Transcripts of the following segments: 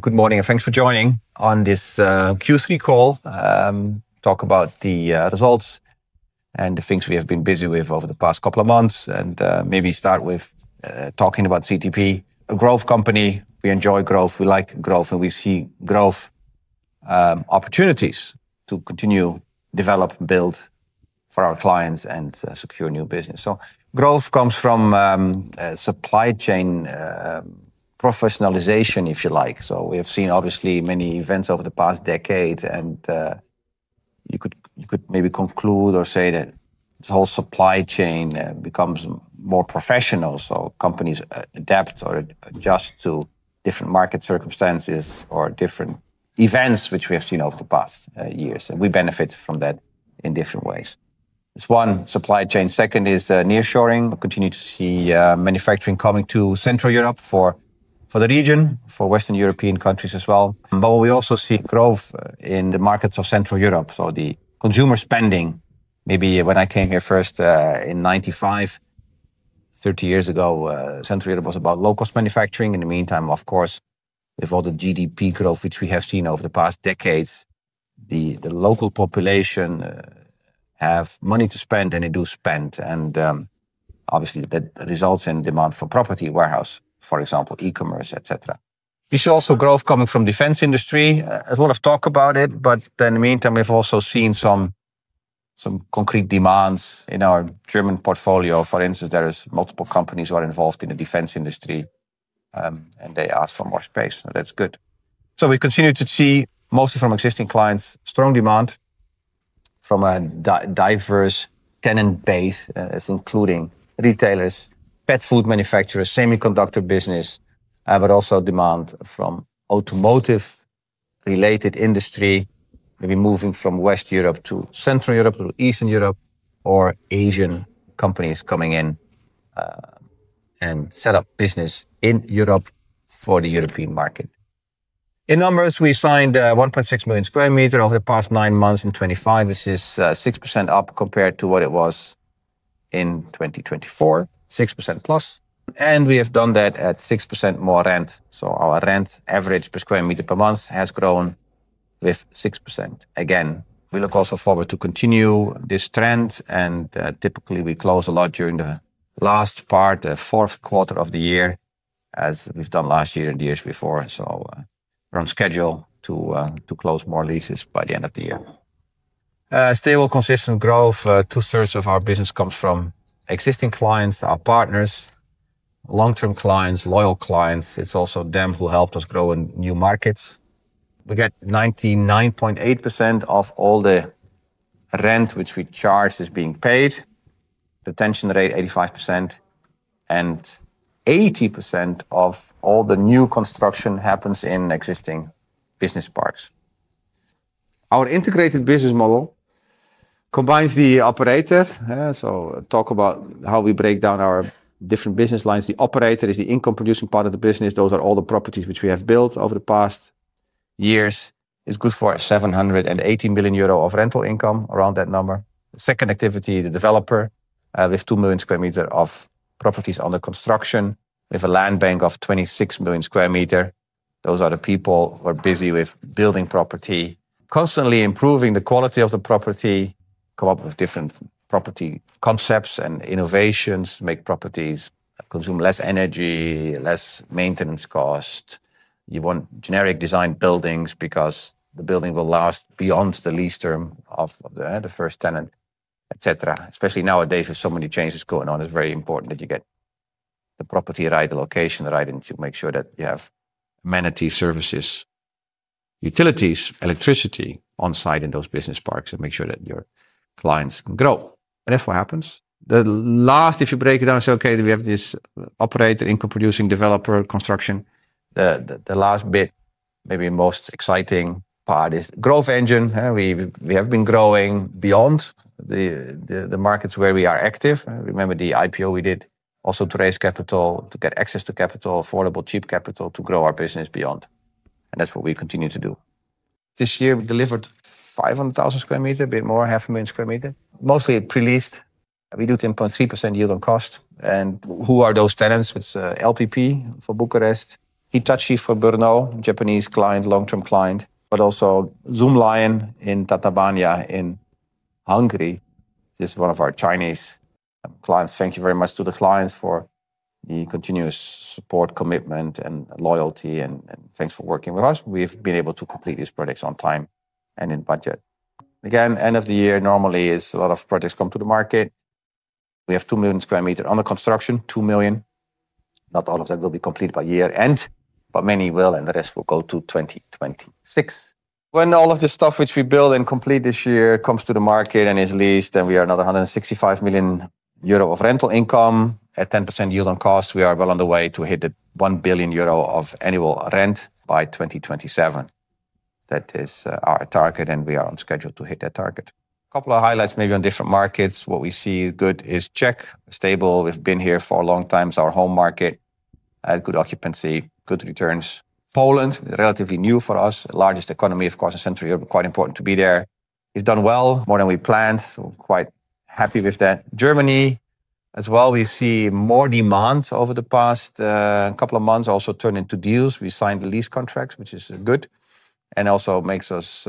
Good morning and thanks for joining on this Q3 call. Talk about the results and the things we have been busy with over the past couple of months and maybe start with talking about CTP, a growth company. We enjoy growth, we like growth and we see growth opportunities to continue, develop, build for our clients and secure new business. Growth comes from supply chain professionalization, if you like. We have seen obviously many events over the past decade and you could, you could maybe conclude or say that this whole supply chain becomes more professional. Companies adapt or adjust to different market circumstances or different events which we have seen over the past years. We benefit from that in different ways. There is one supply chain, second is Nearshoring. We continue to see manufacturing coming to Central Europe for the region, for Western European countries as well. We also see growth in the markets of Central Europe. The consumer spending, maybe when I came here first in 1995, 30 years ago, Central Europe was about low-cost manufacturing. In the meantime, of course, with all the GDP growth which we have seen over the past decades, the local population have money to spend and they do spend. Obviously, that results in demand for property, warehouse, for example, e-commerce, et cetera. We see also growth coming from defense industry. A lot of talk about it, but. In the meantime we have also seen some concrete demands. In our German portfolio, for instance, there are multiple companies who are involved in the defense industry and they ask for more space. That is good. We continue to see mostly from existing clients, strong demand from a diverse tenant base, including retailers, pet food manufacturers, semiconductor business, but also demand from automotive-related industry. Maybe moving from West Europe to Central Europe to Eastern Europe or Asian companies coming in and set up business in Europe. For the European market in numbers, we signed 1.6 million sq m over the past nine months. In 2025, this is 6% up compared to what it was in 2024, 6%+. We have done that at 6% more rent. Our rent average per sq m per month has grown with 6% again. We look also forward to continue this trend. Typically we close a lot during the last part, the fourth quarter of the year, as we've done last year and the years before. We are on schedule to close more leases by the end of the year. Stable, consistent growth. Two thirds of our business comes from existing clients, our partners, long-term clients, loyal clients. It is also them who helped us grow in new markets. We get 99.8% of all the rent which we charge is being paid. Retention rate 85% and 80% of all the new construction happens in existing business parks. Our integrated business model combines the operator. Talk about how we break down our different business lines. The operator is the income-producing part of the business. Those are all the properties which we. Have built over the past years. It's good for 780 million euro of rental income around that number. The second activity, the developer with 2 million sq m of properties under construction, with a land bank of 26 million sq m. Those are the people who are busy with building property, constantly improving the quality of the property. Come up with different property concepts and innovations. Make properties consume less energy, less maintenance cost. You want generic design buildings because the building will last beyond the lease term of the first tenant, et cetera. Especially nowadays, there's so many changes going on. It's very important that you get the property right, the location right, and to make sure that you have amenities, services, utilities, electricity on site in those business parks and make sure that your clients can grow. That's what happens the last. If you break it down, say, okay. We have this operator income-producing developer construction. The last bit, maybe most exciting part, is growth engine. We have been growing beyond the markets where we are active. Remember the IPO we did also to raise capital, to get access to capital, affordable, cheap capital to grow our business beyond. That is what we continue to do. This year we delivered 500,000 sq m. A bit more, 0.5 million sq m, mostly pre-leased. We do 10.3% yield on cost. Who are those tenants? It is LPP for Bucharest, Hitachi for Brno, Japanese client, long-term client, but also Zoomlion in Tatabánya in Hungary. This is one of our Chinese clients. Thank you very much to the clients for the continuous support, commitment, and loyalty. Thanks for working with us. We have been able to complete these projects on time and in budget. Again, end of the year normally is a lot of projects come to the market. We have 2 million sq m on the construction. 2 million. Not all of them will be complete. By year-end, many will. The rest will go to 2026, when all of this stuff, which we build and complete this year, comes to the market and is leased. We are another 165 million euro of rental income at 10% yield on cost. We are well on the way to hit the 1 billion euro of annual rent by 2027. That is our target and we are on schedule to hit that target. Couple of highlights, maybe on different markets. What we see good is Czech stable. We've been here for a long time. Our home market, good occupancy, good returns. Poland, relatively new for us. Largest economy of course in Central Europe. Quite important to be there. We've done well, more than we planned, so quite happy with that. Germany as well. We see more demand over the past couple of months also turn into deals. We signed the lease contracts, which is good and also makes us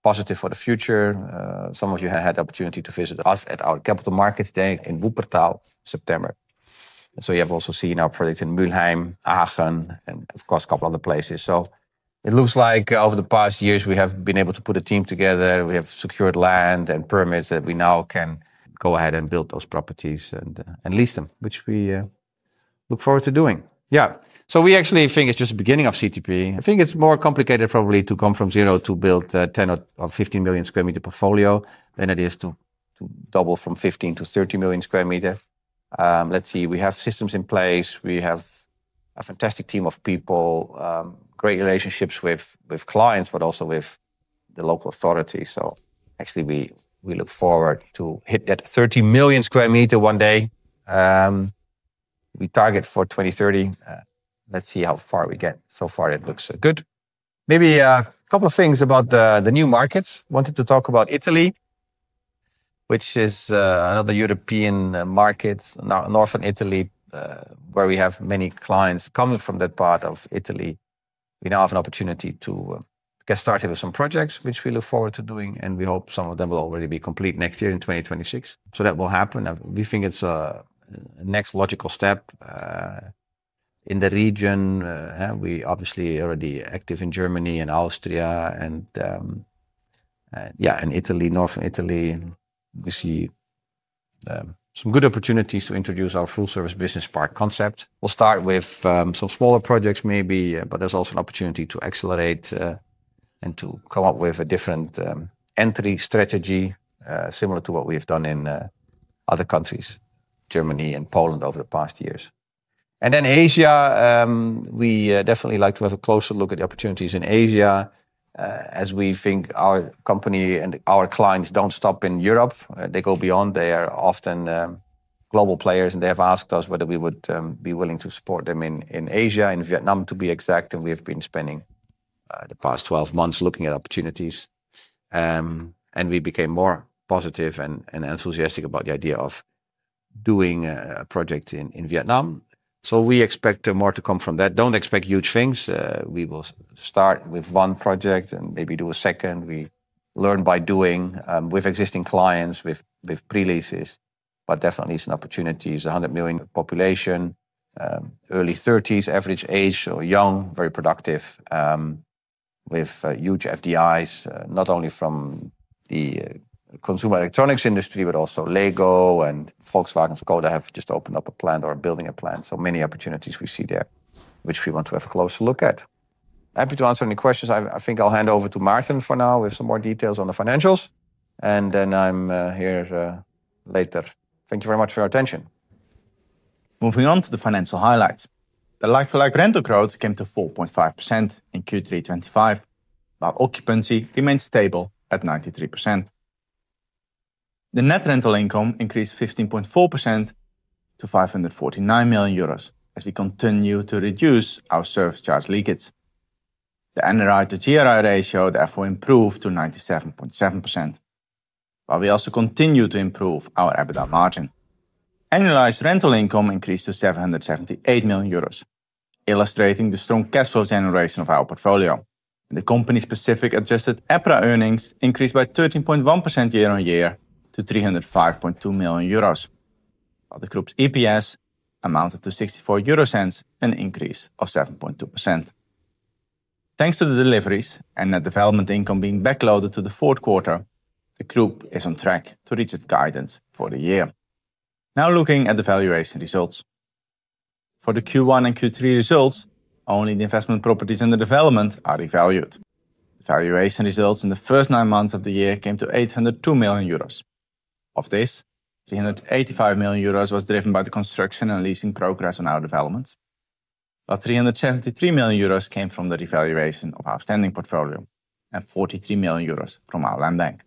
positive for the future. Some of you have had the opportunity to visit us at our Capital Markets Day in Wuppertal, September. You have also seen our projects in Mülheim, Aachen and of course a couple other places. It looks like over the past years we have been able to put a team together. We have secured land and permits that we now can go ahead and build those properties and lease them, which we look forward to doing. Yeah, we actually think it's just the beginning of CTP. I think it's more complicated probably to come from zero to build 10 million sq m or 15 million sq m portfolio than it is to double from 15 million sq m to 30 million sq m. Let's see, we have systems in place, we have a fantastic team of people, great relationships with clients, but also with the local authority. Actually, we look forward to hit that 30 million sq m one day. We target for 2030. Let's see how far we get. So far it looks good. Maybe a couple of things about the new markets. Wanted to talk about Italy, which is another European market, Northern Italy, where we have many clients coming from that part of Italy. We now have an opportunity to get started with some projects which we look forward to doing and we hope some of them will already be complete next year, in 2026. That will happen. We think it's a next logical step in the region. We obviously already active in Germany and Austria and. Yeah, and Italy, North Italy. We see some good opportunities to introduce our full-service business park concept. We'll start with some smaller projects maybe, but there's also an opportunity to accelerate and to come up with a different entry strategy similar to what we've done in other countries, Germany and Poland over the past years and then Asia. We definitely like to have a closer look at the opportunities in Asia as we think our company and our clients don't stop in Europe. They go beyond. They are often global players and they have asked us whether we would be willing to support them in Asia, in Vietnam to be exact. We have been spending the past 12 months looking at opportunities and we became more positive and enthusiastic about the idea of doing a project in Vietnam. We expect more to come from that. Don't expect huge things. We will start with one project and maybe do a second. We learn by doing with existing clients with pre-leases, but definitely some opportunities. 100 million population, early 30s average age or young, very productive with huge FDIs. Not only from the consumer electronics industry but also LEGO and Volkswagen's Škoda have just opened up a plant or building a plant. So many opportunities we see there which we want to have a closer look at. Happy to answer any questions. I think I'll hand over to Maarten for now with some more details on the financials and then I'm here later. Thank you very much for your attention. Moving on to the financial highlights, the like-for-like rental growth came to 4.5% in Q3 2025 while occupancy remained stable at 93%. The net rental income increased 15.4% to 549 million euros as we continue to reduce our surface charge leakage. The NRI to GRI ratio therefore improved to 97.7% while we also continue to improve our EBITDA margin. Annualized rental income increased to 778 million euros, illustrating the strong cash flow generation of our portfolio. The company-specific adjusted EPRA earnings increased by 13.1% year-on-year to 305.2 million euros, while the group's EPS amounted to 0.64, an increase of 7.2%. Thanks to the deliveries and net development income being backloaded to the fourth quarter, the group is on track to reach its guidance for the year. Now, looking at the valuation results for the Q1 and Q3 results, only the investment properties under development are revalued. Valuation results in the first nine months of the year came to 802 million euros. Of this, 385 million euros was driven by the construction and leasing progress on our developments, while 373 million euros came from the revaluation of our outstanding portfolio and 43 million euros from our land bank.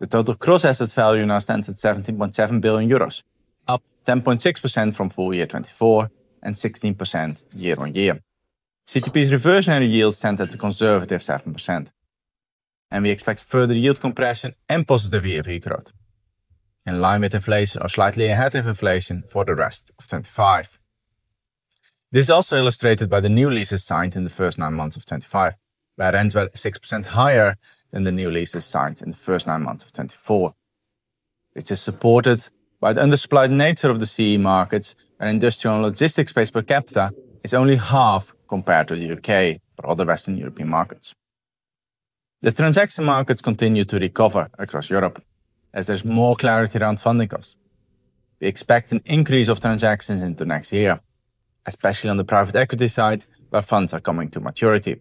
The total gross assets value now stands at 17.7 billion euros, up 10.6% from full year 2024 and 16% year-on-year. CTP's reversionary yields stand at a conservative 7% and we expect further yield compression and positive ERV growth in line with inflation or slightly ahead of inflation for the rest of 2025. This is also illustrated by the new leases signed in the first nine months of 2025 where ends were 6% higher than the new leases signed in the first nine months of 2024, which is supported by the undersupplied nature of the CE markets and industrial and logistics space per capita is only half compared to the U.K. or other Western European markets. The transaction markets continue to recover across Europe as there is more clarity around funding costs. We expect an increase of transactions into next year, especially on the private equity side where funds are coming to maturity.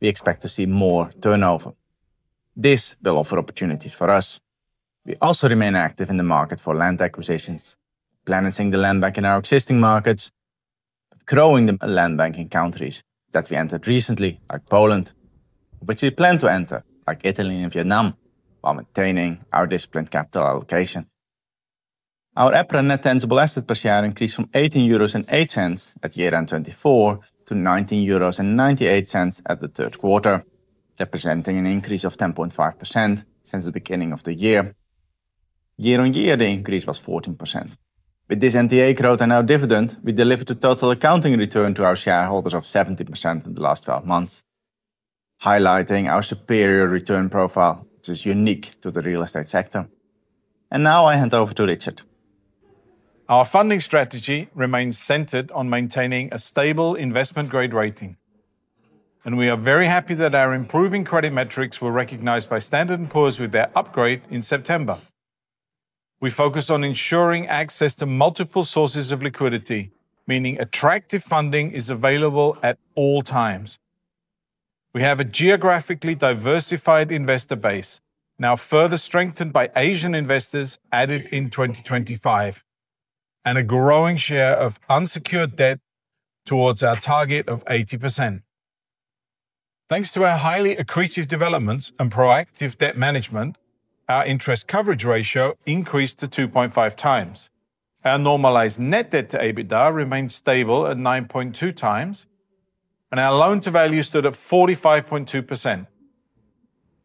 We expect to see more turnover. This will offer opportunities for us. We also remain active in the market for land acquisitions, balancing the land bank in our existing markets but growing the land bank in countries that we entered recently like Poland, which we plan to enter like Italy and Vietnam, while maintaining our disciplined capital allocation. Our EPRA net tangible asset per share increased from 18.08 euros at year-end 2024 to 19.98 euros at the third quarter, representing an increase of 10.5% since the beginning of the year. Year-on-year the increase was 14%. With this NTA growth and our dividend, we delivered a total accounting return to our shareholders of 70% in the last 12 months. Highlighting our superior return profile is unique to the real estate sector and now I hand over to Richard. Our funding strategy remains centered on maintaining a stable investment-grade rating and we are very happy that our improving credit metrics were recognized by Standard & Poor's with their upgrade in September. We focus on ensuring access to multiple sources of liquidity, meaning attractive funding is available at all times. We have a geographically diversified investor base now further strengthened by Asian investors added in 2025 and a growing share of unsecured debt towards our target of 80%. Thanks to our highly accretive developments and proactive debt management, our interest coverage ratio increased to 2.5x, our normalized net debt-to-EBITDA remained stable at 9.2x and our loan-to-value stood at 45.2%.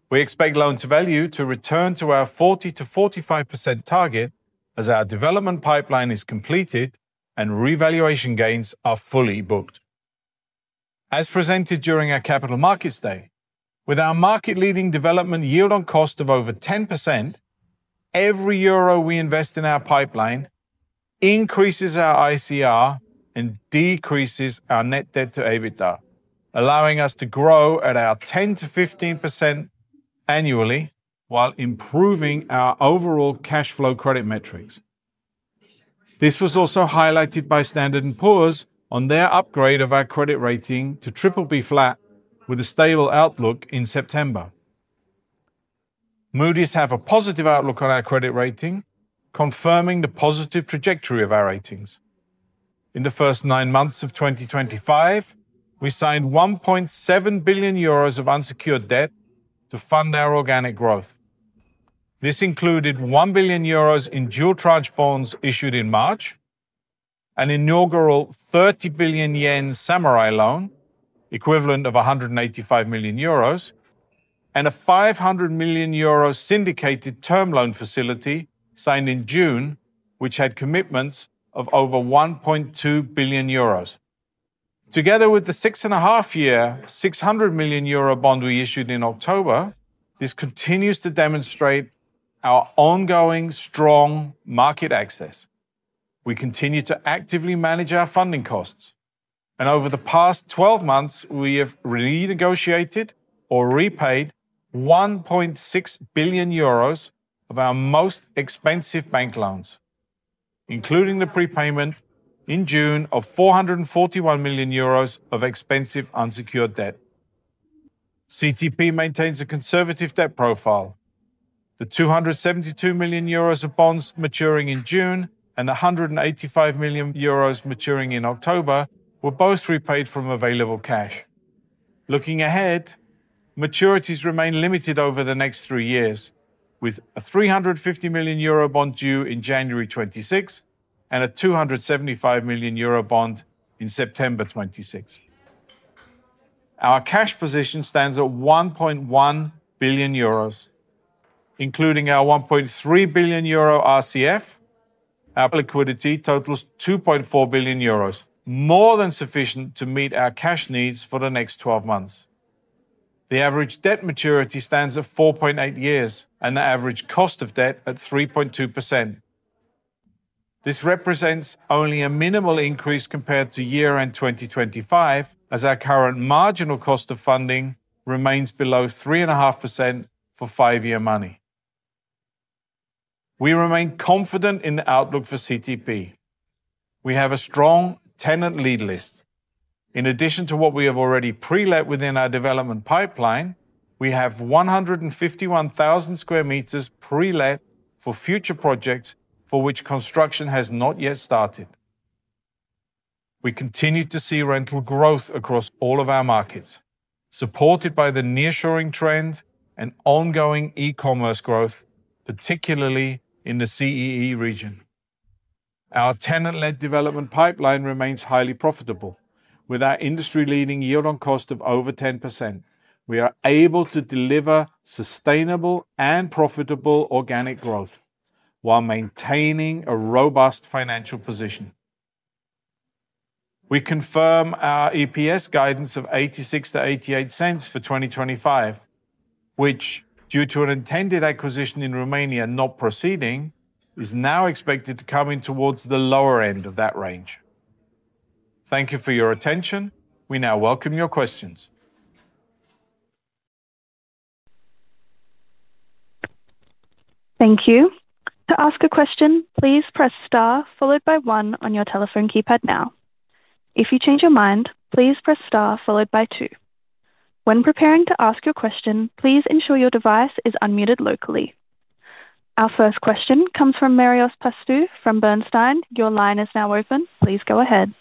We expect loan-to-value to return to our 40%-45% target as our development pipeline is completed and revaluation gains are fully booked. As presented during our Capital Markets Day, with our market-leading development yield on cost of over 10%, every euro we invest in our pipeline increases our ICR and decreases our net debt-to-EBITDA, allowing us to grow at our 10%-15% annually while improving our overall cash flow credit metrics. This was also highlighted by Standard & Poor's on their upgrade of our credit rating to BBB flat with a stable outlook. In September, Moody's have a positive outlook on our credit rating, confirming the positive trajectory of our ratings. In the first nine months of 2025, we signed 1.7 billion euros of unsecured debt to fund our organic growth. This included 1 billion euros in dual-tranche bonds issued in March, an inaugural 30 billion yen Samurai loan equivalent of 185 million euros and a 500 million euro syndicated term loan facility signed in June which had commitments of over 1.2 billion euros. Together with the six and a half year 600 million euro bond we issued in October, this continues to demonstrate our ongoing strong market access. We continue to actively manage our funding costs and over the past 12 months we have renegotiated or repaid 1.6 billion euros of our most expensive bank loans, including the prepayment in June of 441 million euros of expensive unsecured debt. CTP maintains a conservative debt profile. The 272 million euros of bonds maturing in June and 185 million euros maturing in October were both repaid from available cash. Looking ahead, maturities remain limited over the next three years. With a 350 million euro bond due in January 2026 and a 275 million euro bond in September 2026, our cash position stands at 1.1 billion euros. Including our 1.3 billion euro RCF, our liquidity totals 2.4 billion euros, more than sufficient to meet our cash needs for the next 12 months. The average debt maturity stands at 4.8 years and the average cost of debt at 3.2%. This represents only a minimal increase compared to year-end 2025 as our current marginal cost of funding remains below 3.5% for five-year money, we remain confident in the outlook for CTP. We have a strong tenant lead list in addition to what we have already pre-let within our development pipeline. We have 151,000 sq m pre-let for future projects for which construction has not yet started. We continue to see rental growth across all of our markets supported by the nearshoring trend and ongoing e-commerce growth, particularly in the CEE region. Our tenant-led development pipeline remains highly profitable. With our industry-leading yield on cost of over 10%, we are able to deliver sustainable and profitable organic growth while maintaining a robust financial position. We confirm our EPS guidance of 0.86-0.88 for 2025, which, due to an intended acquisition in Romania not proceeding, is now expected to come in towards the lower end of that range. Thank you for your attention. We now welcome your questions. Thank you. To ask a question, please press star followed by one on your telephone keypad. Now, if you change your mind, please press star followed by two. When preparing to ask your question, please ensure your device is unmuted locally. Our first question comes from Marios Pastou from Bernstein. Your line is now open. Please go ahead.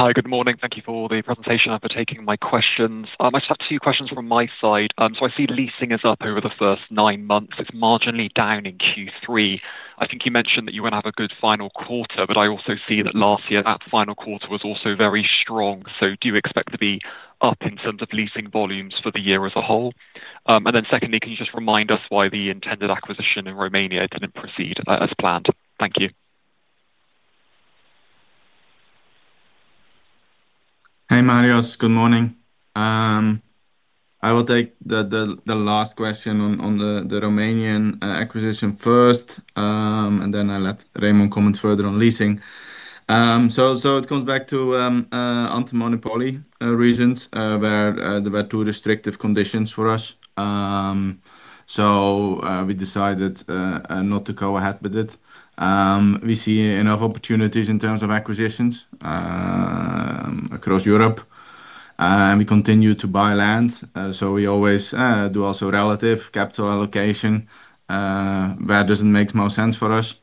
Hi, good morning. Thank you for the presentation. After taking my questions, I just have two questions from my side. I see leasing is up over the first nine months. It's marginally down in Q3. I think you mentioned that you want to have a good final quarter, but I also see that last year that final quarter was also very strong. Do you expect to be up in terms of leasing volumes for the year as a whole? Secondly, can you just remind us why the intended acquisition in Romania did not proceed as planned? Thank you. Hey Marios, good morning. I will take the last question on the Romanian acquisition first and then I let Remon comment further on leasing. It comes back to antimony poli reasons where there were two restrictive conditions for us. We decided not to go ahead with it. We see enough opportunities in terms of acquisitions across Europe and we continue to buy land. We always do. Also, relative capital allocation, that does not make most sense for us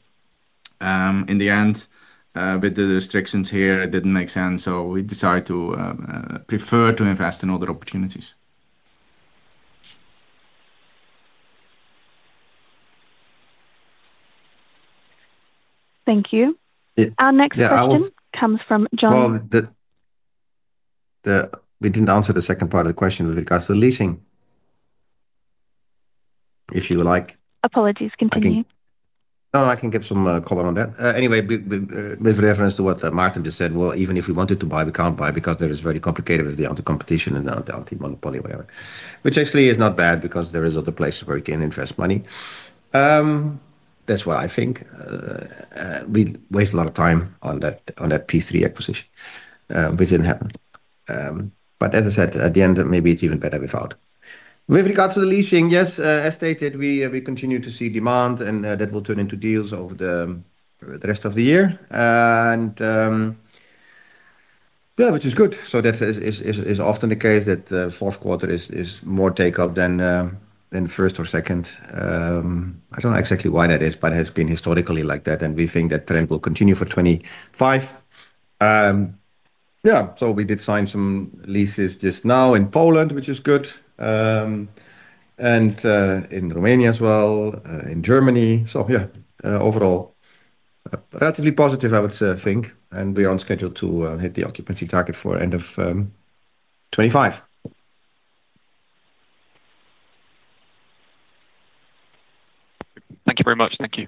in the end with the restrictions here. It did not make sense, so we decided to prefer to invest in other opportunities. Thank you. Our next question comes from John. We didn't answer the second part of the question. With regards to leasing. If you would like. Apologies, continue. No, I can give some color on that. Anyway, with reference to what Maarten just said. Even if we wanted to buy, we can't buy because it is very complicated with the competition and the anti-monopoly, whatever, which actually is not bad because there are other places where you can invest money. That's what I think. We waste a lot of time on that P3 acquisition which did not happen. As I said at the end, maybe it is even better without. With regards to the leasing, yes, as stated, we continue to see demand and that will turn into deals over the rest of the year. And. Yeah, which is good. That is often the case that the fourth quarter is more takeout than first or second. I do not know exactly why that is, but has been historically like that and we think that trend will continue for 2025. Yeah. We did sign some leases just now in Poland, which is good, and in Romania as well, in Germany. Yeah, overall relatively positive I would think. We are on schedule to hit the occupancy target for end of 2025. Thank you very much. Thank you.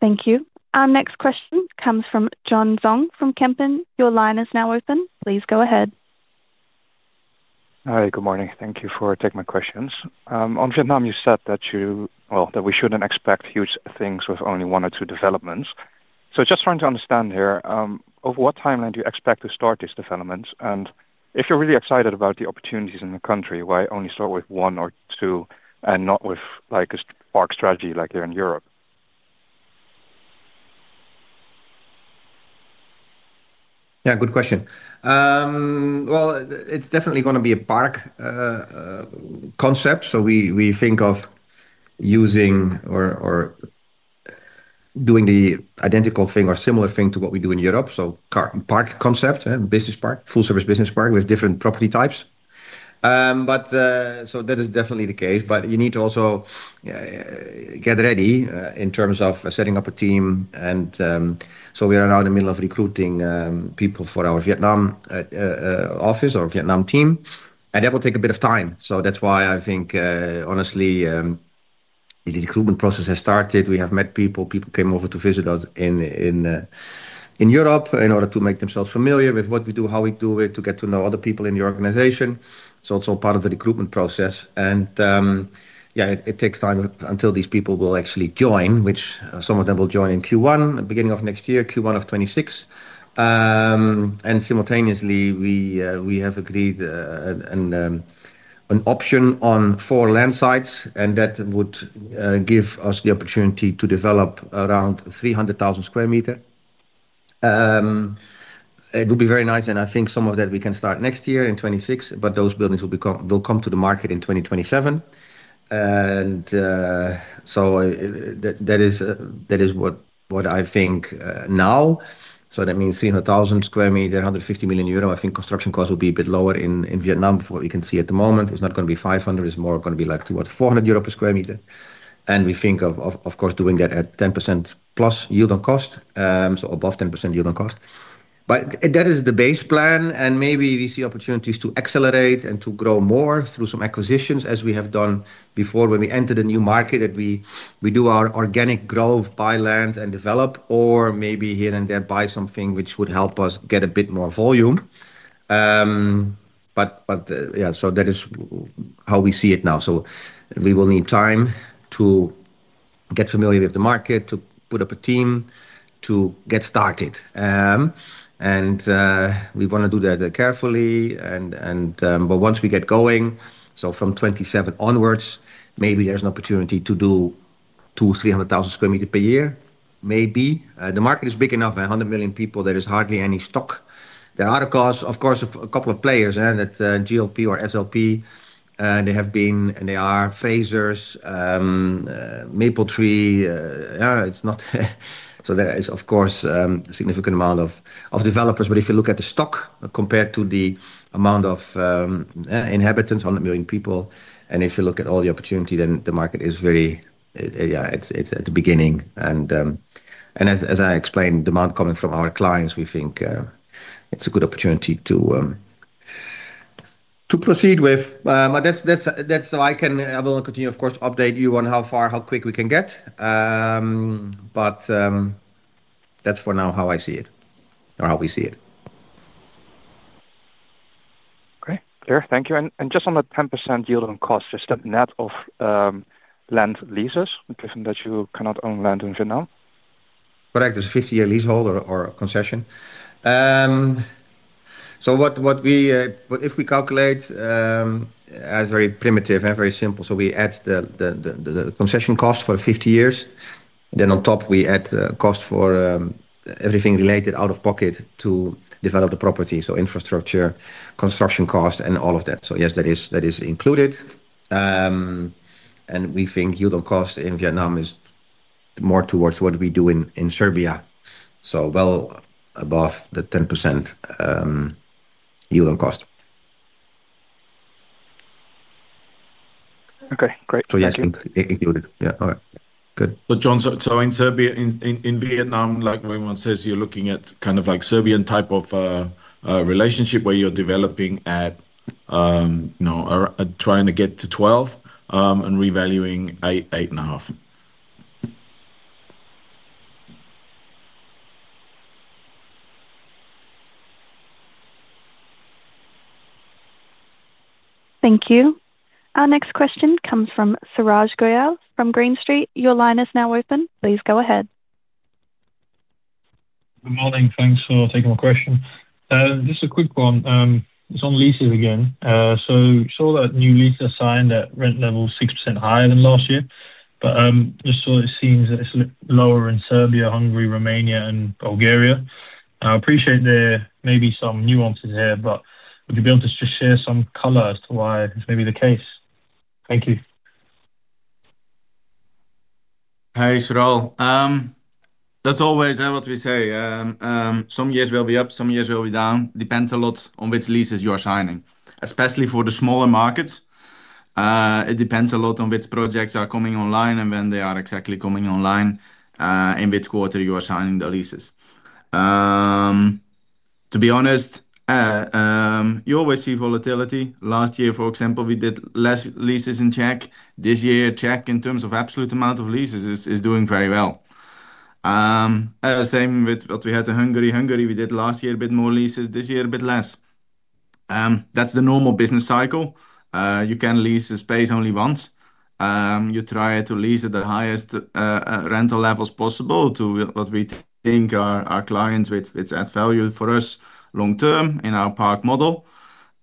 Thank you. Our next question comes from John Vuong from Kempen. Your line is now open. Please go ahead. Hi, good morning. Thank you for taking my questions on Vietnam. You said that you, that we shouldn't expect huge things with only one or two developments. Just trying to understand here, over what timeline do you expect to start these developments and if you're really excited about the opportunities in the country, why only start with one or two and not with like a park strategy like here in Europe? Yeah, good question. It's definitely going to be a park concept. We think of using or doing the identical thing or similar thing to what we do in Europe. Park concept, business park, full-service business park with different property types. But. That is definitely the case. You need to also get ready in terms of setting up a team. We are now in the middle of recruiting people for our Vietnam office or Vietnam team, and that will take a bit of time. That is why I think honestly the recruitment process has started. We have met people, people came over to visit us in Europe in order to make themselves familiar with what we do, how we do it, to get to know other people in the organization. It is also part of the recruitment process. Yeah, it takes time until these people will actually join, which some of them will join in Q1 beginning of next year, Q1 of 2026, and simultaneously we have agreed an option on four land sites and that would give us the opportunity to develop around 300,000 sq m. It would be very nice and I think some of that we can start next year in 2026. Those buildings will come to the market in 2027. That is what I think now. That means 300,000 sq m, 150 million euro. I think construction costs will be a bit lower in Vietnam. For what you can see at the moment, it is not going to be 500, it is more going to be like towards 400 euro per sq m. We think of course doing that at 10%+ yield on cost, so above 10% yield on cost. That is the base plan. Maybe we see opportunities to accelerate and to grow more through some acquisitions as we have done before when we entered a new market, that we do our organic growth, buy land and develop, or maybe here and there buy something which would help us get a bit more volume. But. Yeah, that is how we see it now. We will need time to get familiar with the market, to put up a team to get started, and we want to do that carefully. Once we get going, from 2027 onwards, maybe there is an opportunity to do 2,300,000 sq m per year. Maybe the market is big enough, 100 million people. There is hardly any stock. There are, of course, a couple of players, GLP or SLP, they have been, and they are Frasers, Mapletree. It is not, so there is, of course, a significant amount of developers, but if you look at the stock compared to the amount of inhabitants, 100 million people, and if you look at all the opportunity, then the market is very, yeah, it is at the beginning, and as I explained, demand coming from our clients. We think it's a good opportunity to proceed with. That's, that's, I will continue, of course, to update you on how far, how quick we can get. That's for now how I see it or how we see it. Okay, clear, thank you. Just on the 10% yield on cost, is that net of land leases given that you cannot own land in Vietnam? Correct. There's a 50-year leaseholder or concession. If we calculate as very primitive and very simple, we add the concession cost for 50 years, then on top we add cost for everything related out of pocket to develop the property. Infrastructure construction cost and all of that. Yes, that is included. We think yield cost in Vietnam is more towards what we do in Serbia, so well above the 10% yield on cost. Okay, great. Yes, included. Yeah. All right, good. John, so in Serbia, in Vietnam, like Remon says, you're looking at kind of like Serbian type of relationship where you're developing at, you know, trying to get to 12% and revaluing 8.5%. Thank you. Our next question comes from Suraj Goyal from Green Street. Your line is now open. Please go ahead. Good morning. Thanks for taking my question. Just a quick one on leases again. I saw that new lease assigned at rent level 6% higher than last year. It just seems that it's lower in Serbia, Hungary, Romania, and Bulgaria. I appreciate there may be some nuances here, but would you be able to just share some color as to why this may be the case? Thank you. Hey Suraj, that's always what we say. Some years will be up, some years will be down. Depends a lot on which leases you are signing, especially for the smaller markets. It depends a lot on which projects are coming online and when they are exactly coming online, in which quarter you are signing the leases. To be honest, you always see volatility. Last year for example, we did less leases in Czech. This year, Czech in terms of absolute amount of leases is doing very well. Same with what we had in Hungary. Hungary we did last year a bit more leases, this year a bit less. That's the normal business cycle. You can lease the space only once. You try to lease at the highest rental levels possible to what we think are our clients, which add value for us long term in our park model.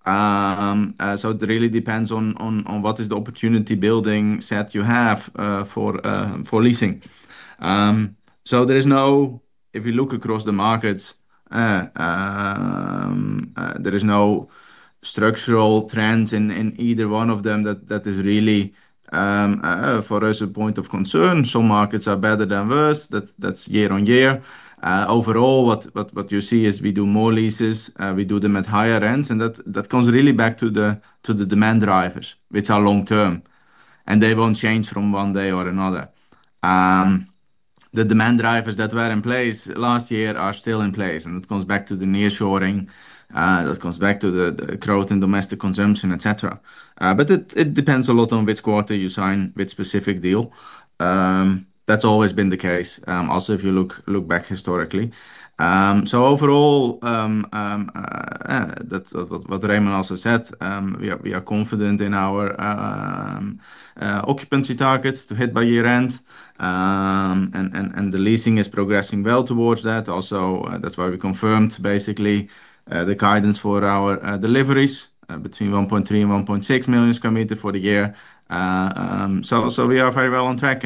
It really depends on what is the opportunity building set you have for leasing. There is no, if you look across the markets, there is no structural trends in either one of them. That is really for us a point of concern. Some markets are better than worse. That is year-on-year. Overall, what you see is we do more leases, we do them at higher ends. That comes really back to the demand drivers, which are long term and they will not change from one day or another. The demand drivers that were in place last year are still in place. It comes back to the nearshoring, it comes back to the growth in domestic consumption, etc. It depends a lot on which quarter you sign, which specific deal. That has always been the case also if you look back historically. Overall, what Remon also said, we are confident in our occupancy targets to hit by year-end and the leasing is progressing well towards that also. That is why we confirmed basically the guidance for our deliveries between 1.3 million sq m-1.6 million sq m for the year. We are very well on track.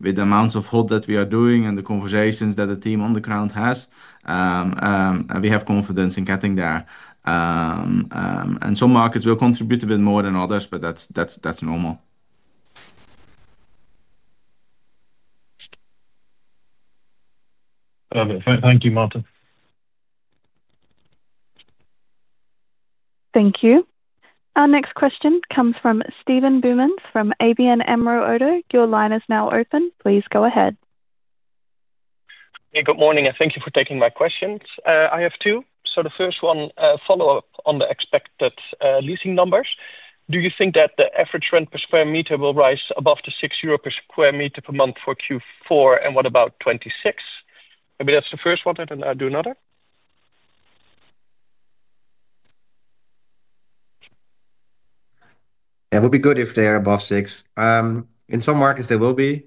With the amounts of hood that we are doing and the conversations that the team on the ground has, we have confidence in getting there. Some markets will contribute a bit more than others, but that is normal. Thank you, Maarten. Thank you. Our next question comes from Steven Boumans from ABN AMRO, ODDO. Your line is now open. Please go ahead. Good morning and thank you for taking my questions. I have two. The first one, follow-up on the expected leasing numbers. Do you think that the average rent per sq m will rise above 6 euro per sq m per month for Q4? What about 2026? Maybe that's the first one and then I'll do another. It would be good if they are above 6. In some markets they will be.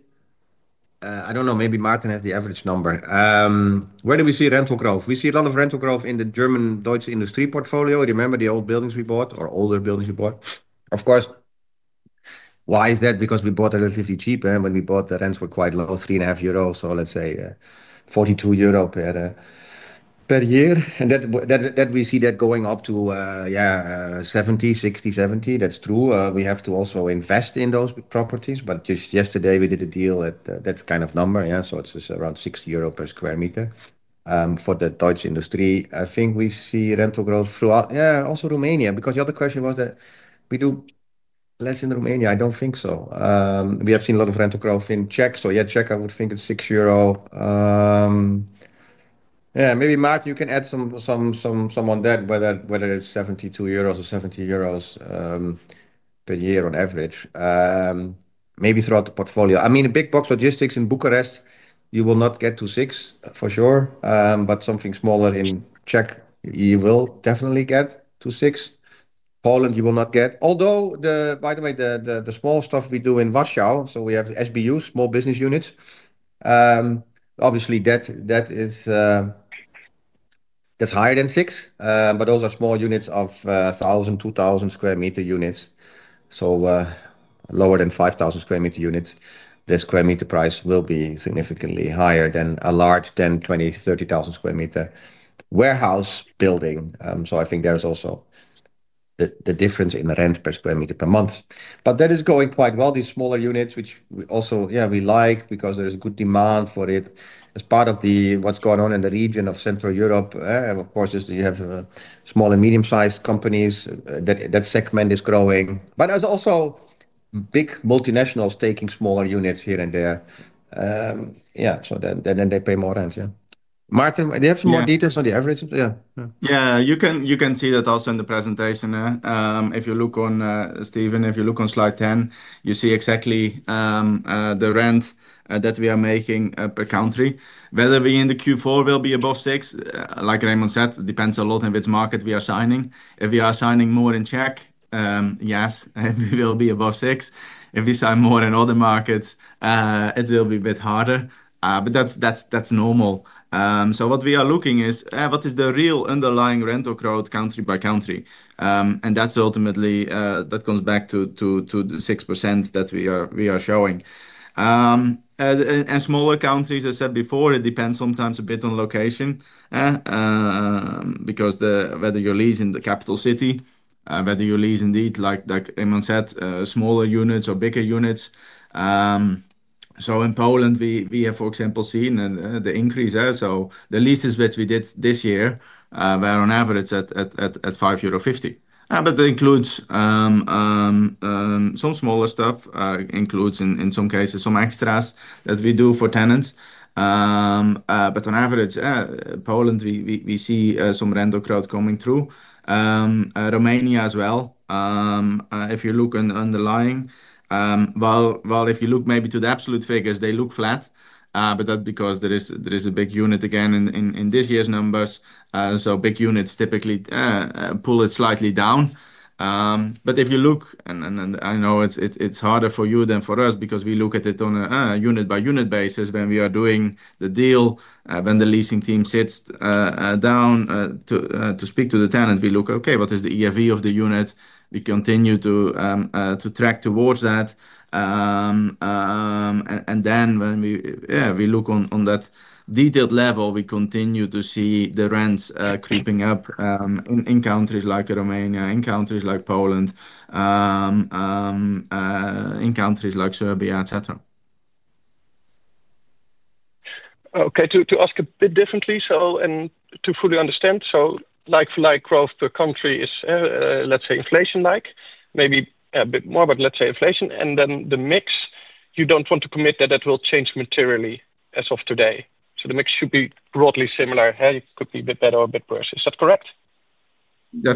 I don't know. Maybe Maarten has the average number. Where do we see rental growth? We see a lot of rental growth in the German Deutsche Industry portfolio. Remember the old buildings we bought or older buildings we bought? Of course. Why is that? Because we bought relatively cheap and when we bought the rents were quite low. 3.5 euro or let's say 42 euro per year and that, that we see that going up to, yeah, 60-70. That's true. We have to also invest in those properties. Just yesterday we did a deal at that kind of number. Yeah. It is around 6 euro per sq m for the Deutsche Industry. I think we see rental growth throughout. Yeah. Also Romania. Because the other question was that we do less in Romania. I don't think so. We have seen a lot of rental growth in Czech. So, yeah, Czech. I would think it's 6 euro. Yeah. Maybe Maarten, you can add some on that. Whether it's 72 euros or 70 euros per year on average. Maybe throughout the portfolio. I mean a big box logistics. In Bucharest you will not get to 6 for sure. But something smaller in Czech you will definitely get to 6. Poland you will not get. Although, by the way, the small stuff we do in Warsaw. So we have SBU, small business units. Obviously that is higher than 6, but those are small units of 1,000, 2,000 sq m units. So lower than 5,000 sq m units. The square meter price will be significantly higher than a large 10,000, 20,000, 30,000 sq m warehouse building. I think there's also the difference in rent per sq m per month. That is going quite well. These smaller units, which also, yeah, we like because there is good demand for it as part of what's going on in the region of Central Europe. Of course, you have small and medium-sized companies; that segment is growing. There's also big multinationals taking smaller units here and there. Yeah. So then they pay more rent. Yeah. Maarten, do you have some more details on the average? Yeah, you can see that also in the presentation. If you look on, Steven, if you look on slide 10, you see exactly the rent that we are making per country. Whether we in the Q4 will be above 6, like Remon said, depends a lot in which market we are signing. If you are signing more in Czech, yes, we will be above 6. If we sign more in other markets it will be a bit harder. That's normal. What we are looking is what is the real underlying rental growth country-by-country. That ultimately comes back to the 6% that we are showing and smaller countries. I said before it depends sometimes a bit on location because, whether you lease in the capital city, whether you lease indeed like Remon said, smaller units or bigger units. In Poland we have for example seen the increase. The leases which we did this year were on average at 5.50 euro. That includes some smaller stuff, includes in some cases some extras that we do for tenants. On average, Poland, we see some rental growth coming through Romania as well. If you look underlying, while if you look maybe to the absolute figures, they look flat. That is because there is a big unit again in this year's numbers. Big units typically pull it slightly down. If you look, and I know it's harder for you than for us because we look at it on a unit-by-unit basis, when we are doing the deal, when the leasing team sits down to speak to the tenant, we look, okay, what is the ERV of the unit? We continue to track towards that. When we look on that detailed level, we continue to see the rents creeping up in countries like Romania, in countries like Poland, in countries like Serbia, etc. Okay, to ask a bit differently, so, and to fully understand, so like-for-like growth per country is, let's say, inflation, like maybe a bit more, but let's say inflation, and then the mix, you do not want to commit that it will change materially as of today. So the mix should be broadly similar. It could be a bit better or a bit worse. Is that correct?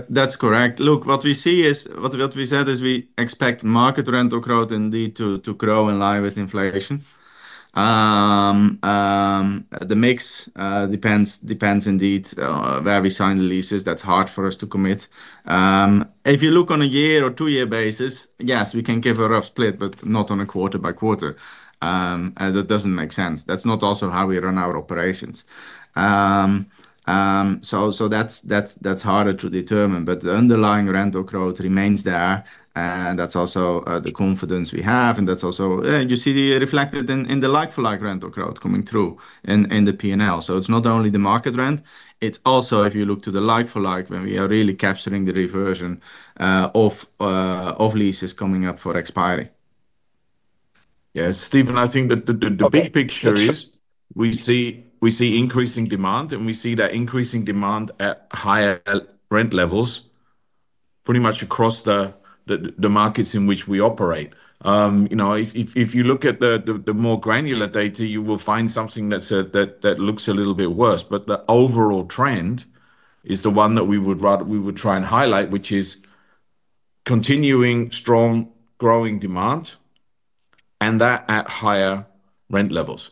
That's correct. Look, what we see is what we said is we expect market rental growth indeed to grow in line with inflation. The mix depends. Depends indeed where we sign the leases. That's hard for us to commit. If you look on a year or two-year basis, yes, we can give a rough split, but not on a quarter-by-quarter. That does not make sense. That's not also how we run our operations. That's harder to determine. The underlying rental growth remains there and that's also the confidence we have. That's also you see reflected in the like-for-like rental growth coming through in the P&L. It's not only the market rent, it's also if you look to the like-for-like when we are really capturing the reversion of leases coming up for expiry. Yes, Steven, I think that the. Big picture is we see. Increasing demand, and we see that increasing demand at higher rent levels pretty much across the markets in which we operate. You know, if you look at the more granular data, you will find something that looks a little bit worse, but the overall trend is the one that we would try and highlight, which is continuing strong, growing demand and that at higher rent levels.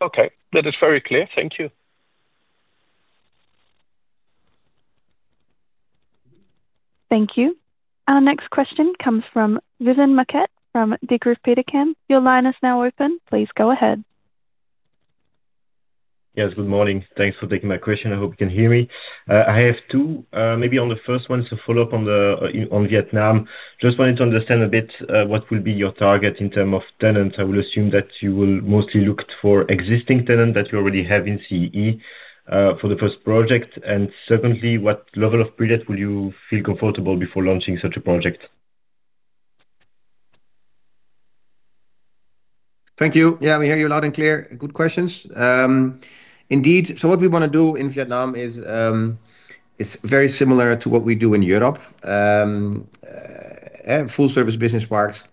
Okay, that is very clear, thank you. Thank you. Our next question comes from Vivien Maquet from Degroof Petercam. Your line is now open. Please go ahead. Yes, good morning. Thanks for taking my question. I hope you can hear me. I have two. Maybe on the first one, it is a follow-up on Vietnam. Just wanted to understand a bit, what will be your target in terms of tenants? I will assume that you will mostly look for existing tenants that you already have in CEE for the first project. Secondly, what level of period will you feel comfortable before launching such a project? Thank you. Yeah, we hear you loud and clear. Good questions indeed. What we want to do in Vietnam is it's very similar to what we do in Europe, full service business parks,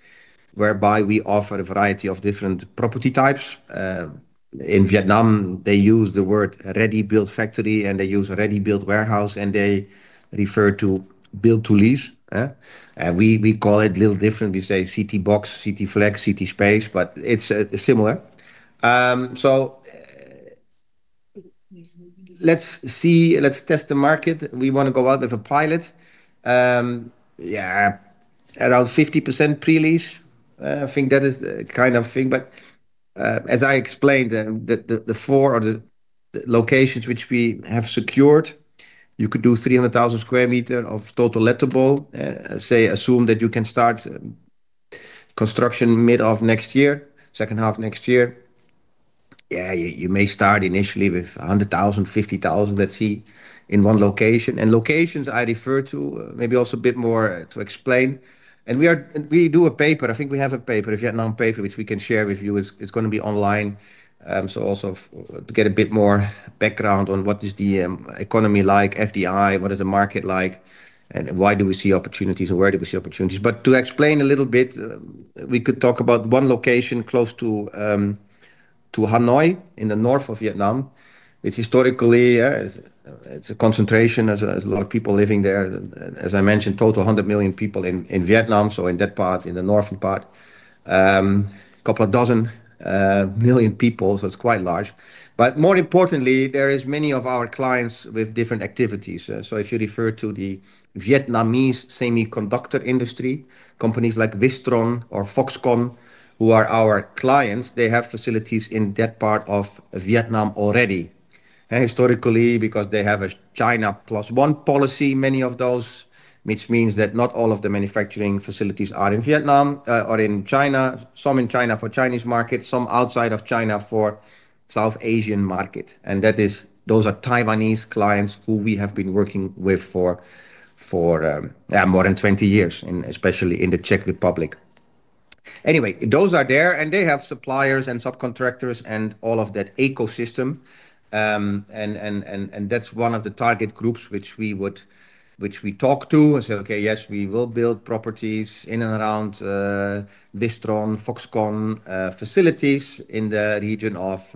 whereby we offer a variety of different property types. In Vietnam they use the word ready built factory and they use a ready-built warehouse and they refer to build-to-lease. We call it a little different. We say CT Box, CT Flex, CT Space, but it's similar. Let's see, let's test the market. We want to go out with a pilot. Yeah, around 50% pre-lease. I think that is the kind of thing. As I explained, the four are the locations which we have secured. You could do 300,000 sq m of total lettable. Say assume that you can start construction mid of next year, second half next year. Yeah, you may start initially with 100,000, 50,000. Let's see in one location, and locations I refer to maybe also a bit more to explain. We do a paper, I think we have a paper, Vietnam paper which we can share with you. It is going to be online. Also to get a bit more background on what is the economy like, FDI, what is the market like and why do we see opportunities and where do we see opportunities. To explain a little bit, we could talk about one location close to Hanoi in the north of Vietnam. Historically, it is a concentration as a lot of people living there, as I mentioned, total 100 million people in Vietnam. In that part, in the northern part, couple of dozen million people. It is quite large. More importantly, there are many of our clients with different activities. If you refer to the Vietnamese semiconductor industry, companies like Wistron or Foxconn, who are our clients, they have facilities in that part of Vietnam already historically because they have a China Plus One policy, many of those, which means that not all of the manufacturing facilities are in Vietnam or in China. Some are in China for the Chinese market, some outside of China for the South Asian market. Those are Taiwanese clients who we have been working with for, yeah, more than 20 years, especially in the Czech Republic. Anyway, those are there and they have suppliers and subcontractors and all of that ecosystem. That is one of the target groups which we would, which we talk to and say, okay, yes, we will build properties in and around Wistron, Foxconn facilities in the region of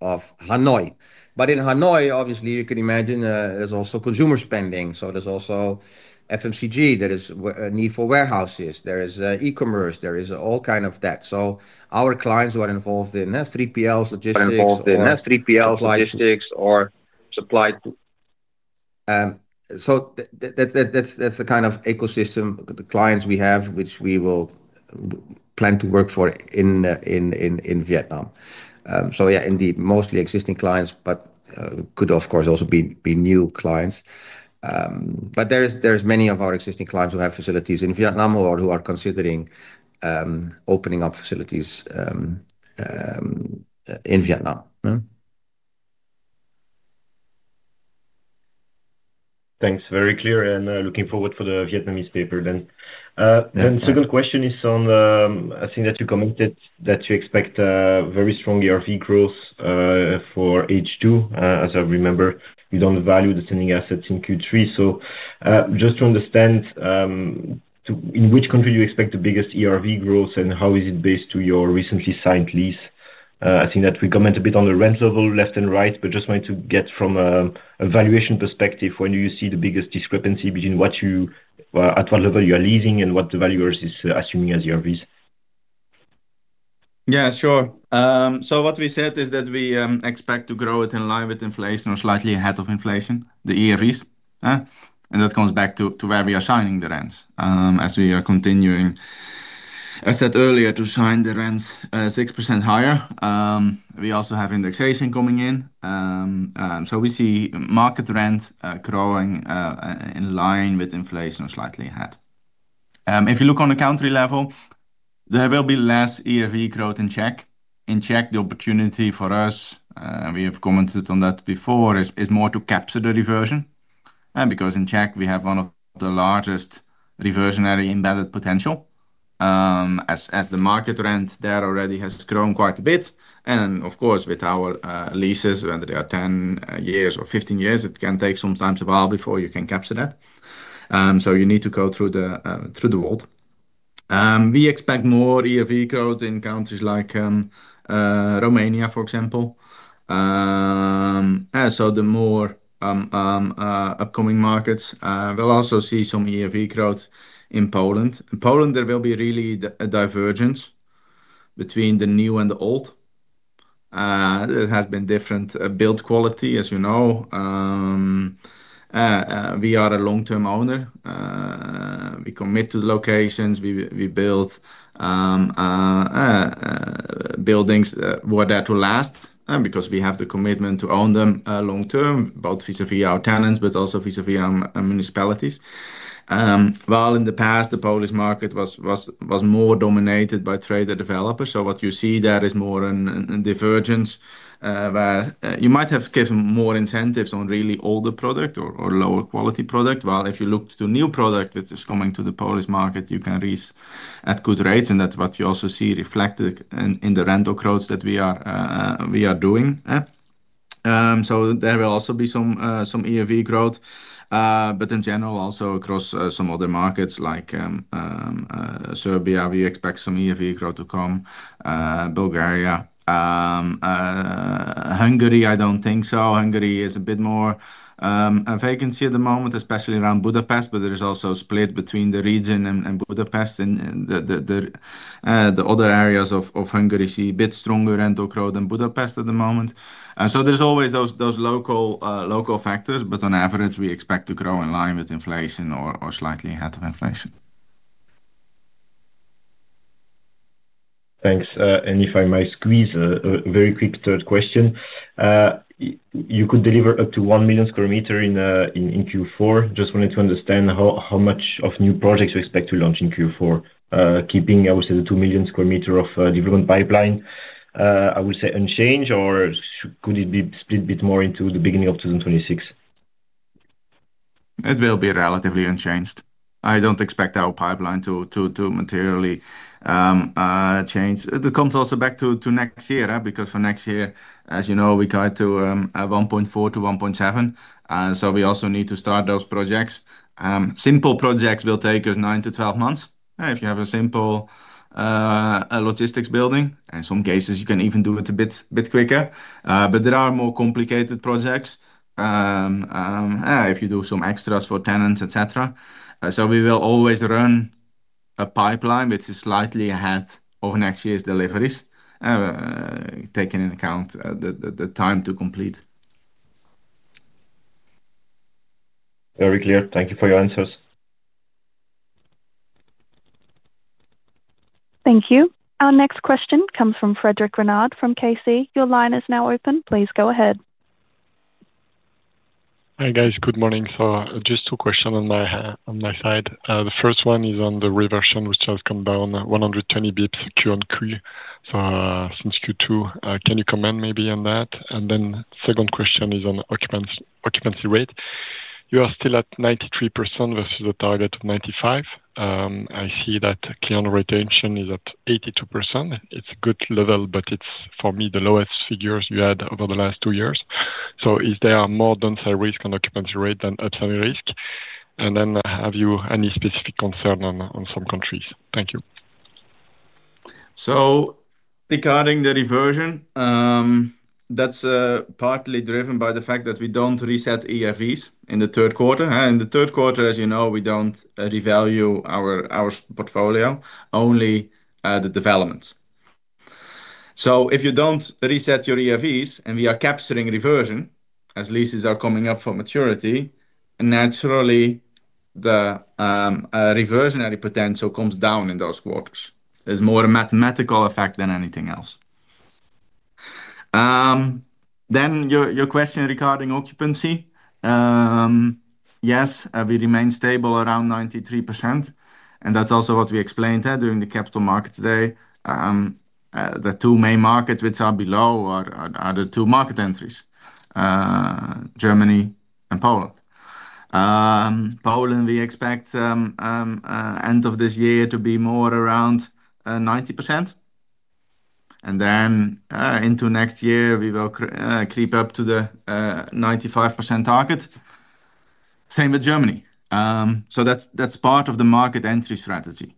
Hanoi. In Hanoi, obviously you can imagine there's also consumer spending, so there's also FMCG, there is a need for warehouses, there is e-commerce, there is all kind of that. Our clients who are involved in 3PL, involved in 3PL logistics or supplied. That is the kind of ecosystem, the clients we have which we will plan to work for in Vietnam. Yeah, indeed mostly existing clients, but could of course also be new clients. There are many of our existing clients who have facilities in Vietnam or who are considering opening up facilities in Vietnam. Thanks, very clear, and looking forward for the Vietnamese paper. The second question is on, I think that you commented that you expect very strong ERV growth for H2. As I remember, we do not value the standing assets in Q3. Just to understand, in which country do you expect the biggest ERV growth and how is it based to your recently signed lease? I think that we comment a bit on the rent level left and right, but just wanted to get from a valuation perspective, when do you see the biggest discrepancy between what you, at what level you are leasing, and what the valuers are assuming as ERVs? Yeah, sure. What we said is that we expect to grow it in line with inflation or slightly ahead of inflation. The ERVs. And that comes back to where we are signing the rents. As we are continuing, I said earlier, to sign the rents 6% higher. We also have indexation coming in. We see market rent growing in line with inflation, slightly ahead. If you look on the country level, there will be less ERV growth in Czech. In Czech, the opportunity for us, we have commented on that before, is more to capture the reversion because in Czech we have one of the largest reversionary embedded potential as the market rent there already has grown quite a bit. Of course, with our leases, when they are 10 years or 15 years, it can take sometimes a while before you can capture that. You need to go through the world. We expect more ERV growth in countries like Romania, for example. The more upcoming markets will also see some ERV growth in Poland. In Poland there will be really a divergence between the new and the old. There has been different build quality. As you know, we are a long term owner. We commit to locations, we build buildings where they are to last. Because we have the commitment to own them long term, both vis-à-vis our tenants, but also vis-à-vis our municipalities. While in the past the Polish market was more dominated by trader developers. What you see there is more divergence where you might have given more incentives on really older product or lower quality product. While if you look to new product which is coming to the Polish market, you can reach at good rates. That is what you also see reflected in the rental growth that we are doing. There will also be some ERV growth. In general, also across some other markets like Serbia, we expect some ERV growth to come. Bulgaria, Hungary? I do not think so. Hungary is a bit more vacancy at the moment, especially around Budapest. There is also split between the region and Budapest and the region. The other areas of Hungary see a bit stronger rental growth than Budapest at the moment. There are always those local factors. On average, we expect to grow in line with inflation or slightly ahead of inflation. Thanks. If I may squeeze a very quick third question. You could deliver up to 1 million sq m in Q4. Just wanted to understand how much of new projects we expect to launch in Q4, keeping, I would say, the 2 million sq m of development pipeline, I would say, unchanged or could it be split a bit more into the beginning of 2026. It will be relatively unchanged. I don't expect our pipeline to materially change. It comes also back to next year. Because for next year, as you know, we got to 1.4 billion-1.7 billion. We also need to start those projects. Simple projects will take us nine to 12 months. If you have a simple logistics building, in some cases you can even do it a bit quicker. There are more complicated projects if you do some extras for tenants, etc. We will always run a pipeline which is slightly ahead of next year's deliveries, taking into account the time to complete. Very clear. Thank you for your answers. Thank you. Our next question comes from Frederic Renard from KC. Your line is now open. Please go ahead. Hi guys. Good morning. Just two questions on my side. The first one is on the reversion which has come down 120 basis points QoQ. Since Q2, can you comment maybe on that? The second question is on occupancy. Occupancy rate, you are still at 93% versus the target of 95%. I see that client retention is at 82%. It is a good level, but it is for me the lowest figures you had over the last two years. Is there more downside risk on occupancy rate than upside risk? Have you any specific concern on some countries? Thank you. Regarding the reversion, that's partly driven by the fact that we don't reset ERVs in the third quarter. In the third quarter, as you know, we don't revalue our portfolio, only the developments. If you don't reset your ERVs and we are capturing reversion as leases are coming up for maturity, naturally the reversionary potential comes down in those quarters. It is more a mathematical effect than anything else. Your question regarding occupancy, yes, we remain stable around 93% and that's also what we explained there during the Capital Markets Day. The two main markets which are below are the two market entries, Germany and Poland. Poland we expect end of this year to be more around 90% and then into next year we will creep up to the 95% target, same with Germany. That's part of the market entry strategy.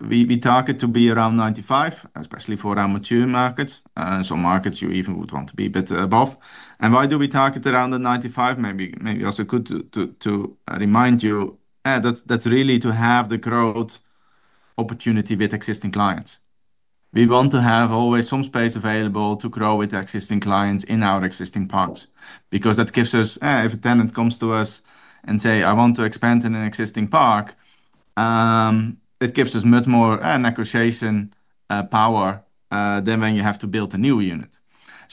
We target to be around 95%, especially for our mature markets. Markets you even would want to be a bit above. Why do we target around the 95%? Maybe also good to remind you. That is really to have the growth opportunity with existing clients. We want to have always some space available to grow with existing clients in our existing parks. That gives us, if a tenant comes to us and says I want to expand in an existing park, it gives us much more negotiation power than when you have to build a new unit.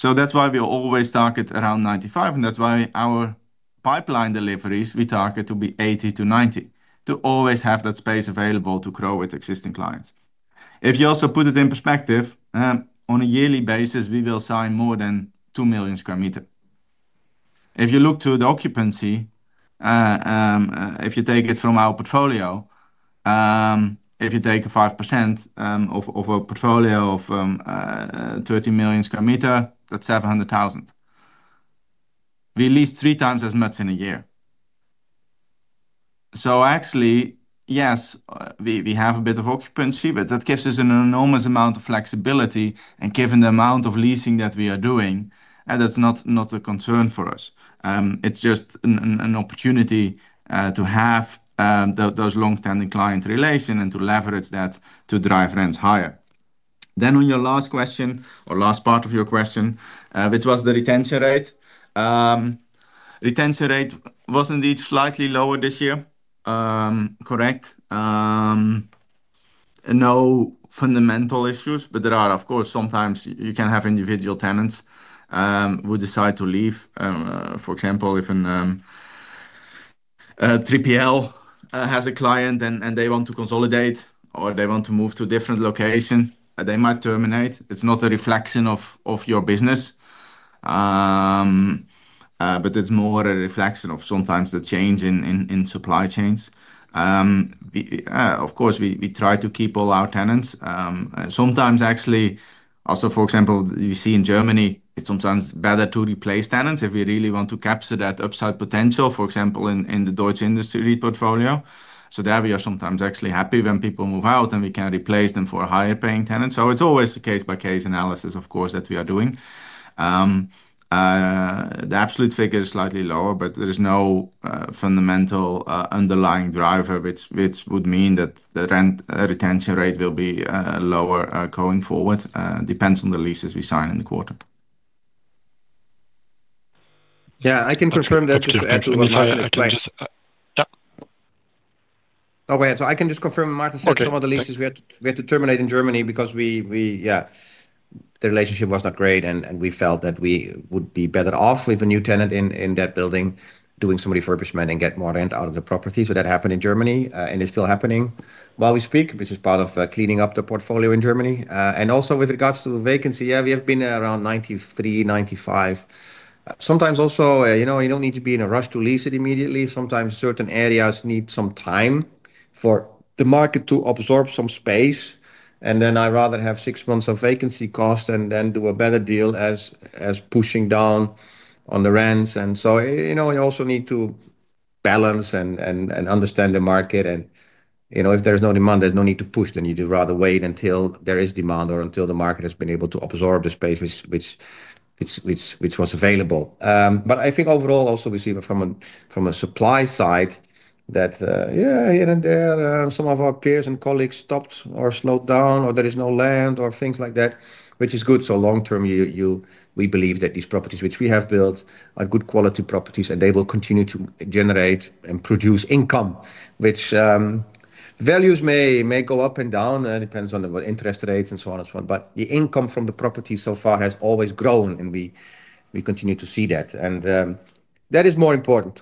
That is why we always target around 95% and that is why our pipeline deliveries, we target to be 80%-90% to always have that space available to grow with existing clients. If you also put it in perspective on a yearly basis, we will sign more than 2 million sq m. If you look to the occupancy, if you take it from our portfolio, if you take 5% of a portfolio of 30 million sq m, that's 700,000. We lease 3x as much in a year. Actually yes, we have a bit of occupancy, but that gives us an enormous amount of flexibility and given the amount of leasing that we are doing, and that's not a concern for us, it's just an opportunity to have those long-standing client relation and to leverage that to drive rents higher. On your last question or last part of your question, which was the retention rate, retention rate was indeed slightly lower this year. Correct. No fundamental issues. There are of course sometimes you can have individual tenants who decide to leave. For example, if 3PL has a client and they want to consolidate or they want to move to a different location, they might terminate. It is not a reflection of your business, but it is more a reflection of sometimes the change in supply chains. Of course we try to keep all our tenants. Sometimes actually also, for example, you see in Germany it is sometimes better to replace tenants if we really want to capture that upside potential, for example in the Deutsche Industry portfolio. There we are sometimes actually happy when people move out and we can replace them for higher paying tenants. It is always a case-by-case analysis. Of course that we are doing. The absolute figure is slightly lower, but there is no fundamental underlying driver which would mean that the rent retention rate will be lower going forward. Depends on the leases we sign in the quarter. Yeah, I can confirm that. I can just confirm. Maarten said some of the leases we had to terminate in Germany because, yeah, the relationship was. Not great, and we felt that we. Would be better off with a new tenant in that building doing some refurbishment and get more rent out of the property. That happened in Germany and it is still happening while we speak, which is part of cleaning up the portfolio in Germany. Also with regards to vacancy, we have been around 93%-95% sometimes. Also, you know, you do not need to be in a rush to lease it immediately. Sometimes certain areas need some time for the market to absorb some space and then I would rather have six months of vacancy cost and then do a better deal, as opposed to pushing down on the rents. You know, you also need to balance and understand the market. You know, if there's no demand, there's. No need to push, then you rather wait until there is demand or until the market has been able to absorb the space which was available. I think overall also we see from a supply side that, yeah, here and there some of our peers and colleagues stopped or slowed down or there is no land or things like that, which is good. Long-term, we believe that these properties which we have built are good quality properties and they will continue to generate and produce income. Values may go up and down, depends on the interest rates and so on. The income from the property so far has always grown and we continue to see that. That is more important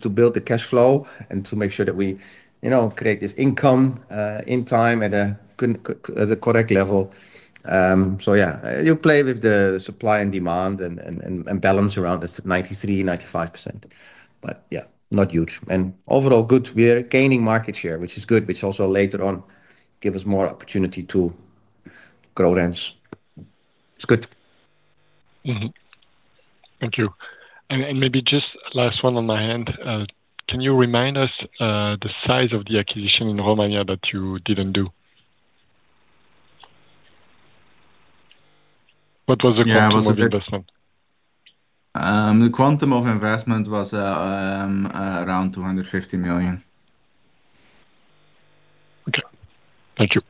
to build the cash flow and to make sure that we create this income in time at the correct level. You play with the supply and demand and balance around this 93%-95%, but not huge. Overall, good. We are gaining market share, which is good. Which also later on gives us more opportunity to grow rents. It's good. Thank you. Maybe just last one on my hand, can you remind us the size of the acquisition in Romania that you did not do? What was the quantum of investment? The quantum of investment was around 250 million. Okay, thank you.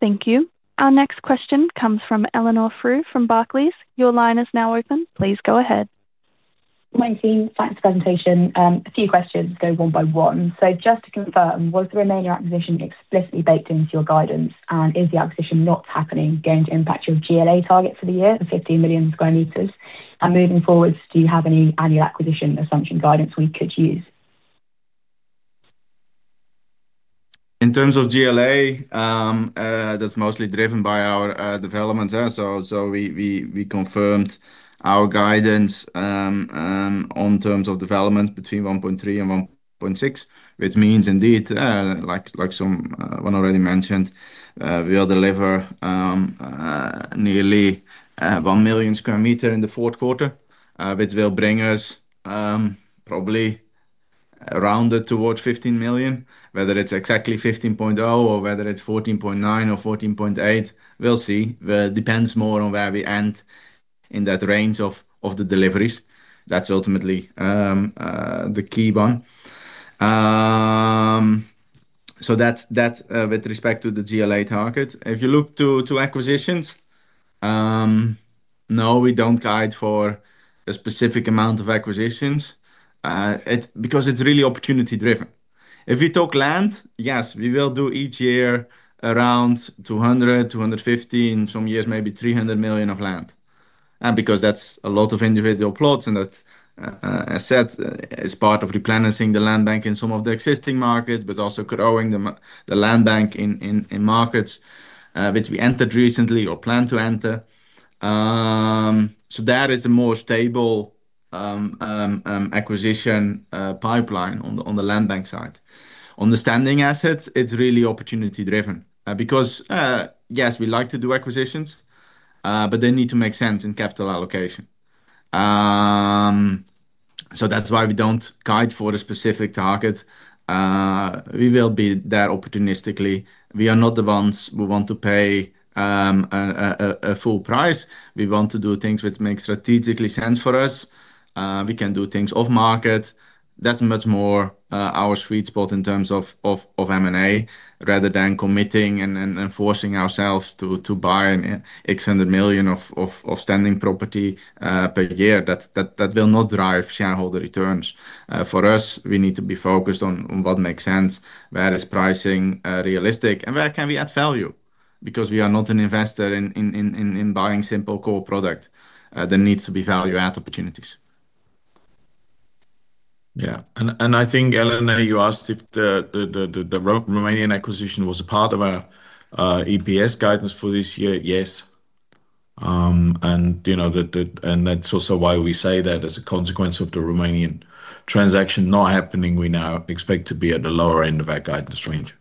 Thank you. Our next question comes from Eleanor Frew from Barclays. Your line is now open. Please go ahead. My team. Thanks for presentation. A few questions. Go one by one. Just to confirm, was the Romania acquisition explicitly baked into your guidance? Is the acquisition not happening going to impact your GLA target for the year? 15 million sq m. Moving forward, do you have any annual acquisition assumption guidance we could use. In terms of GLA? That is mostly driven by our development. We confirmed our guidance on terms of development between 1.3 million sq m-1.6 million sq m. Which means, indeed, like Remon already mentioned, we will deliver nearly 1 million sq m in the fourth quarter, which will bring us probably around it towards 15 million. Whether it is exactly 15.0 million or whether it is 14.9 million or 14.8 million, we will see. Depends more on where we end in that range of the deliveries. That is ultimately the key one. With respect to the GLA target, if you look to acquisitions. No, we do not guide for a specific amount of acquisitions because it is really opportunity driven. If we talk land, yes, we will do each year around 200 million-250 million, some years maybe 300 million of land. Because that is a lot of individual plots, and that I said is part of replenishing the land bank in some of the existing markets, but also could be growing the land bank in markets which we entered recently or plan to enter. That is a more stable acquisition pipeline on the land bank side. On the standing assets, it is really opportunity driven because yes, we like to do acquisitions, but they need to make sense in capital allocation. That is why we do not guide for the specific target. We will be there opportunistically. We are not the ones who want to pay a full price. We want to do things which make strategic sense for us. We can do things off market. That is much more our sweet spot in terms of M&A. Rather than committing and forcing ourselves to buy 600 million of standing property per year, that will not drive shareholder returns for us. We need to be focused on what makes sense. Where is pricing realistic and where can we add value because we are not an investor in buying simple core product. There needs to be value-add opportunities. Yeah. I think, Eleanor, you asked if the Romanian acquisition was a part of our EPS guidance for this year. Yes. You know that. That is also why we say that as a consequence of the Romanian transaction not happening, we now expect to be at the lower end of our guidance range.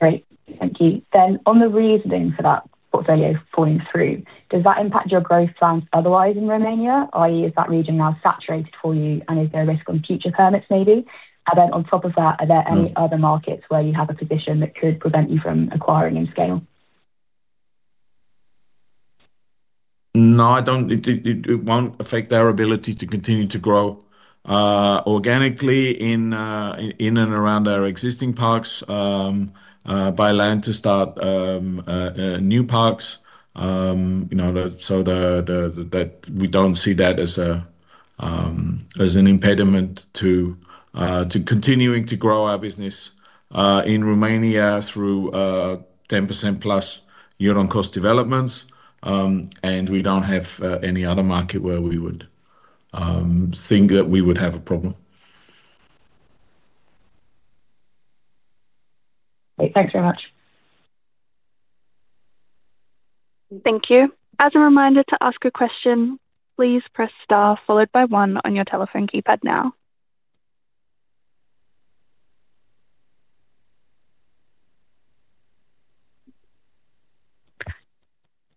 Great, thank you. On the reasoning for that portfolio falling through, does that impact your growth plans otherwise in Romania? Is that region now saturated for you, and is there a risk on future permits? Maybe. On top of that, are there any other markets where you have a position that could prevent you from acquiring in scale? No, I don't. It won't affect our ability to continue to grow organically in, in and around our existing parks, buy land to start new parks, you know, so that, we don't see that as an impediment to continuing to grow our business in Romania through 10%+ year on cost developments. We don't have any other market where we would think that we would have a problem. Thanks very much. Thank you. As a reminder to ask a question, please press star followed by one on your telephone keypad. Now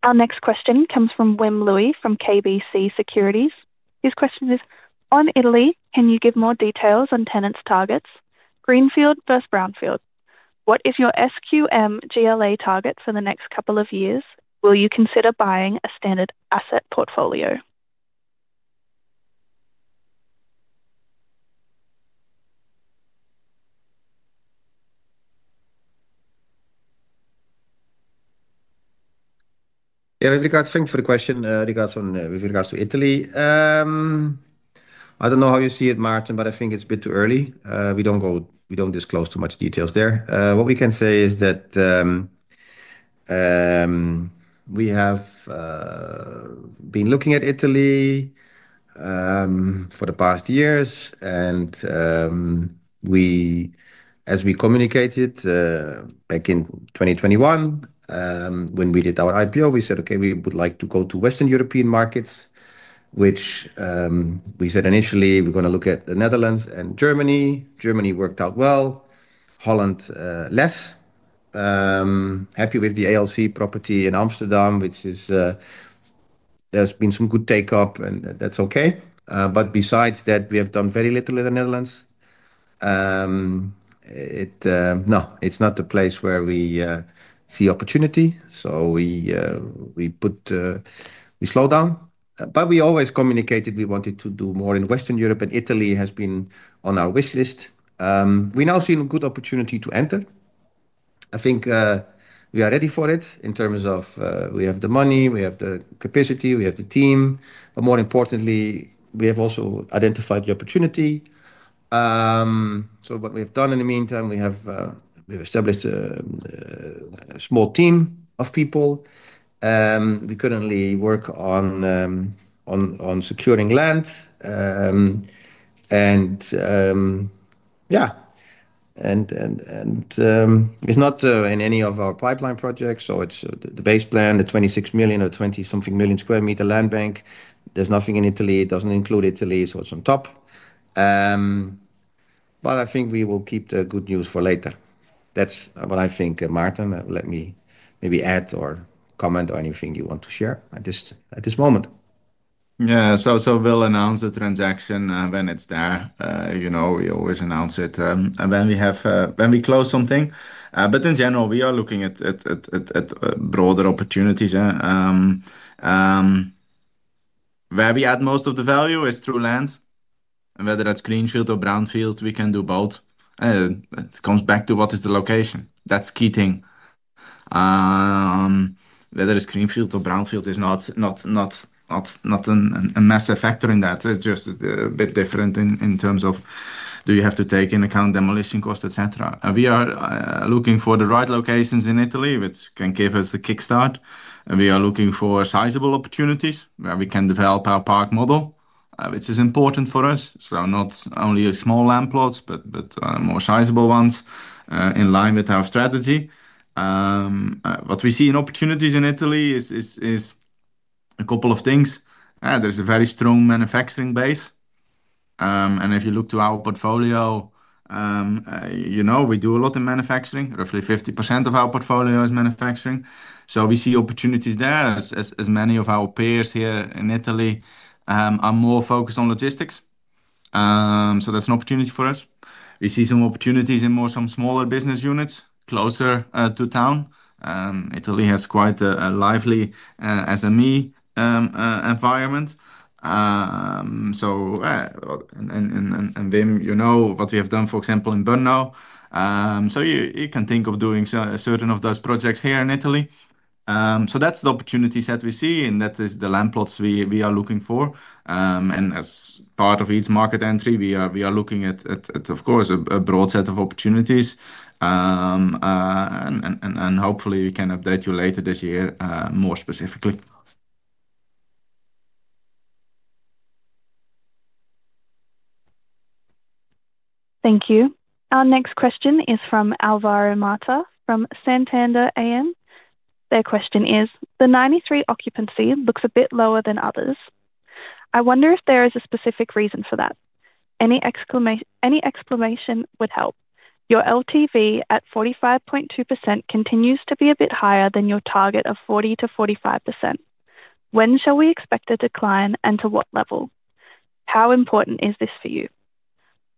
our next question comes from Wim Lewi from KBC Securities. His question is on Italy. Can you give more details on tenants targets? Greenfield versus Brownfield. What is your SQM GLA target for the next couple of years? Will you consider buying a standard asset portfolio? Thanks for the question. With regards to Italy, I don't know how you see it, Maarten, but I think it's a bit too early. We don't go, we don't disclose too much details there. What we can say is that we have been looking at Italy for the past years and we, as we communicated back in 2021 when we did our IPO, we said, okay, we would like to go to Western European markets which said initially we're going to look at the Netherlands and Germany. Germany worked out well. Poland, less happy with the ALC property in Amsterdam, which is, there's been some good take-up and that's okay. Besides that, we have done very little in the Netherlands. No, it's not the place where we see opportunity. We put slow down, but we always communicated we wanted to do more in Western Europe, and Italy has been on our wish list. We now see a good opportunity to enter. I think we are ready for it in terms of we have the money, we have the capacity, we have the team. More importantly, we have also identified the opportunity. What we have done in the meantime, we have established a small team of people. We currently work on securing land, and yeah, it's not in any of our pipeline projects. The base plan, the 26 million or 20-something million sq m land bank, there is nothing in Italy, it does not include Italy. It is on top. I think we will keep the good news for later. That's what I think. Maarten, let me maybe add or comment or anything you want to share at this moment. Yeah, we'll announce the transaction when it's there. We always announce it when we close something. In general, we are looking at broader opportunities where we add most of the value is through lands and whether it's greenfield or brownfield, we can do both. It comes back to what is the location. That's the key thing. Whether it's greenfield or brownfield is not a massive factor in that. It's just a bit different in terms of do you have to take into account demolition cost, etc. We are looking for the right locations in Italy which can give us a kickstart and we are looking for sizable opportunities where we can develop our park model which is important for us. Not only small land plots but more sizable ones in line with our strategy. What we see in opportunities in Italy is a couple of things. There is a very strong manufacturing base and if you look to our portfolio, you know we do a lot in manufacturing. Roughly 50% of our portfolio is manufacturing. We see opportunities there as many of our peers here in Italy are more focused on logistics. That is an opportunity for us. We see some opportunities in more, some smaller business units closer to town. Italy has quite a lively SME environment and Wim, you know what we have done for example in Brno, so you can think of doing certain of those projects here in Italy. That is the opportunities that we see and that is the land plots we are looking for. As part of each market entry we are looking at, of course, a broad set of opportunities, and hopefully we can update you later this year more specifically. Thank you. Our next question is from Alvaro Mata from Santander AM. Their question is the 93% occupancy looks a bit lower than others. I wonder if there is a specific reason for that. Any explanation would help. Your LTV at 45.2% continues to be a bit higher than your target of 40%-45%. When shall we expect a decline and to what level? How important is this for you?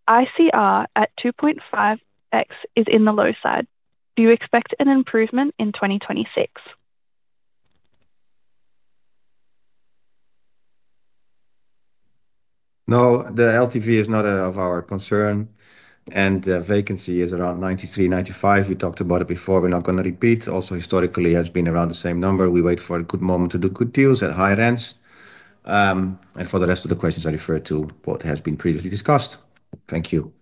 ICR at 2.5x is on the low side. Do you expect an improvement in 2026? No, the LTV is not of our concern and vacancy is around 93%-95%. We talked about it before, we're not going to repeat. Also, historically has been around the same number. We wait for a good morning moment to do good deals at higher ends. For the rest of the questions I refer to what has been previously discussed. Thank you.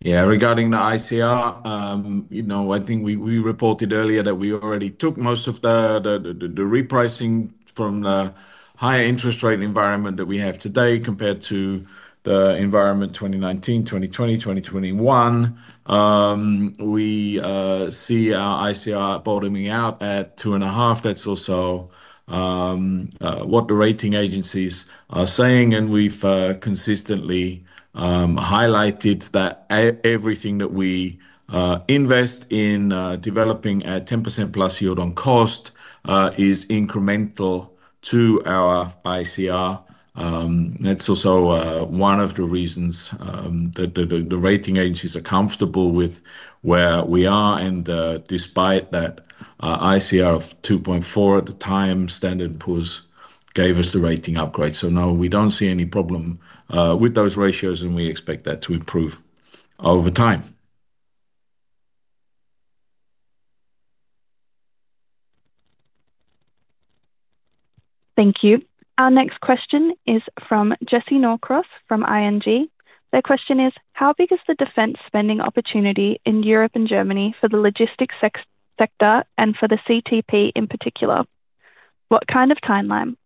Yeah, regarding the ICR, you know I think we reported earlier that we already took most of the repricing from the higher interest rate environment that we have today compared to the environment 2019, 2020, 2021. We see our ICR bottoming out at 2.5x. That's also what the rating agencies are saying and we've consistently highlighted that everything that we invest in developing at 10%+ yield on cost is incremental to our ICR. That's also one of the reasons that the rating agencies are comfortable with where we are. Despite that ICR of 2.4x at the time Standard & Poor's gave us the rating upgrade. Now we don't see any problem with those ratios and we expect that to improve over time. Thank you. Our next question is from Jesse Norcross from ING. Their question is how big is the defense spending opportunity in Europe and Germany for the logistics sector and for CTP in particular, what kind of timeline?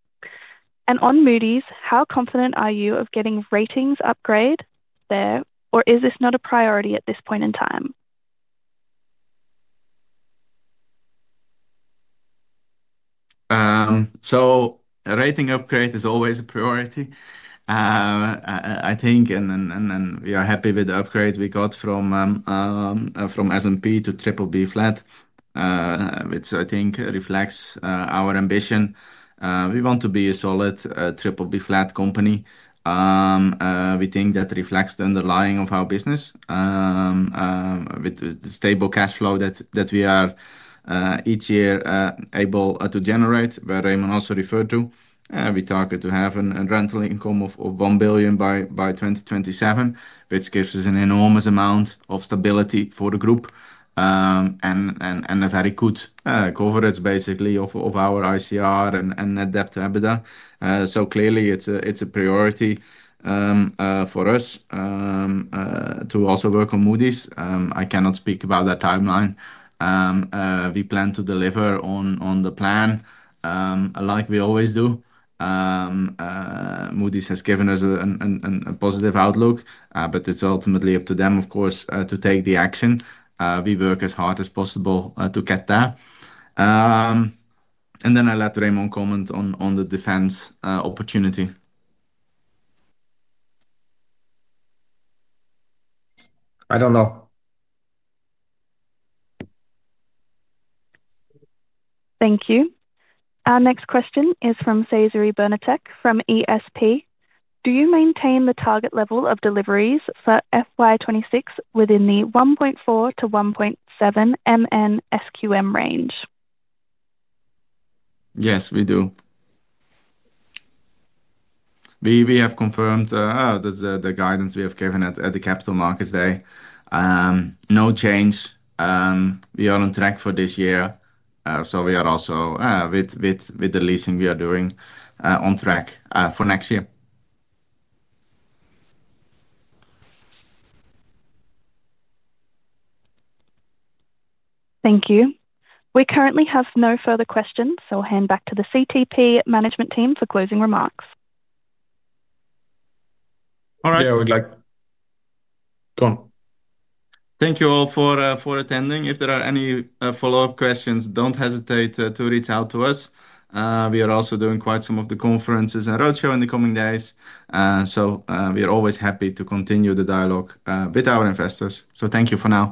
On Moody's, how confident are you of getting ratings upgrade there? Or is this not a priority at this point in time? Rating upgrade is always a priority I think and we are happy with the upgrade got from S&P to BBB flat which I think reflects our ambition. We want to be a solid BBB flat company. We think that reflects the underlying of our business with the stable cash flow that we are each year able to generate. Where Remon also referred to, we target to have a rental income of 1 billion by 2027 which gives us an enormous amount of stability for the group and a very good coverage basically of our ICR and debt-to-EBITDA. Clearly it's a priority for us to also work on Moody's. I cannot speak about that timeline. We plan to deliver on the plan like we always do. Moody's has given us a positive outlook, but it's ultimately up to them, of course, to take the action. We work as hard as possible to get there. I let Remon comment on the defense opportunity. I don't know. Thank you. Our next question is from Cezary Bernatek from ESP. Do you maintain the target level of deliveries for FY 2026 within the 1.4-1.7 mn SQM range? Yes, we do. We have confirmed the guidance we have given at the Capital Markets Day. No change. We are on track for this year. We are also with the leasing, we are doing on track for next year. Thank you. We currently have no further questions. So hand back to the CTP management team for closing remarks. All right. Yeah, we'd like. Go on. Thank you all for attending. If there are any follow-up questions, do not hesitate to reach out to us. We are also doing quite some of the conferences and roadshow in the coming days, so we are always happy to continue the dialogue with our investors. Thank you for now.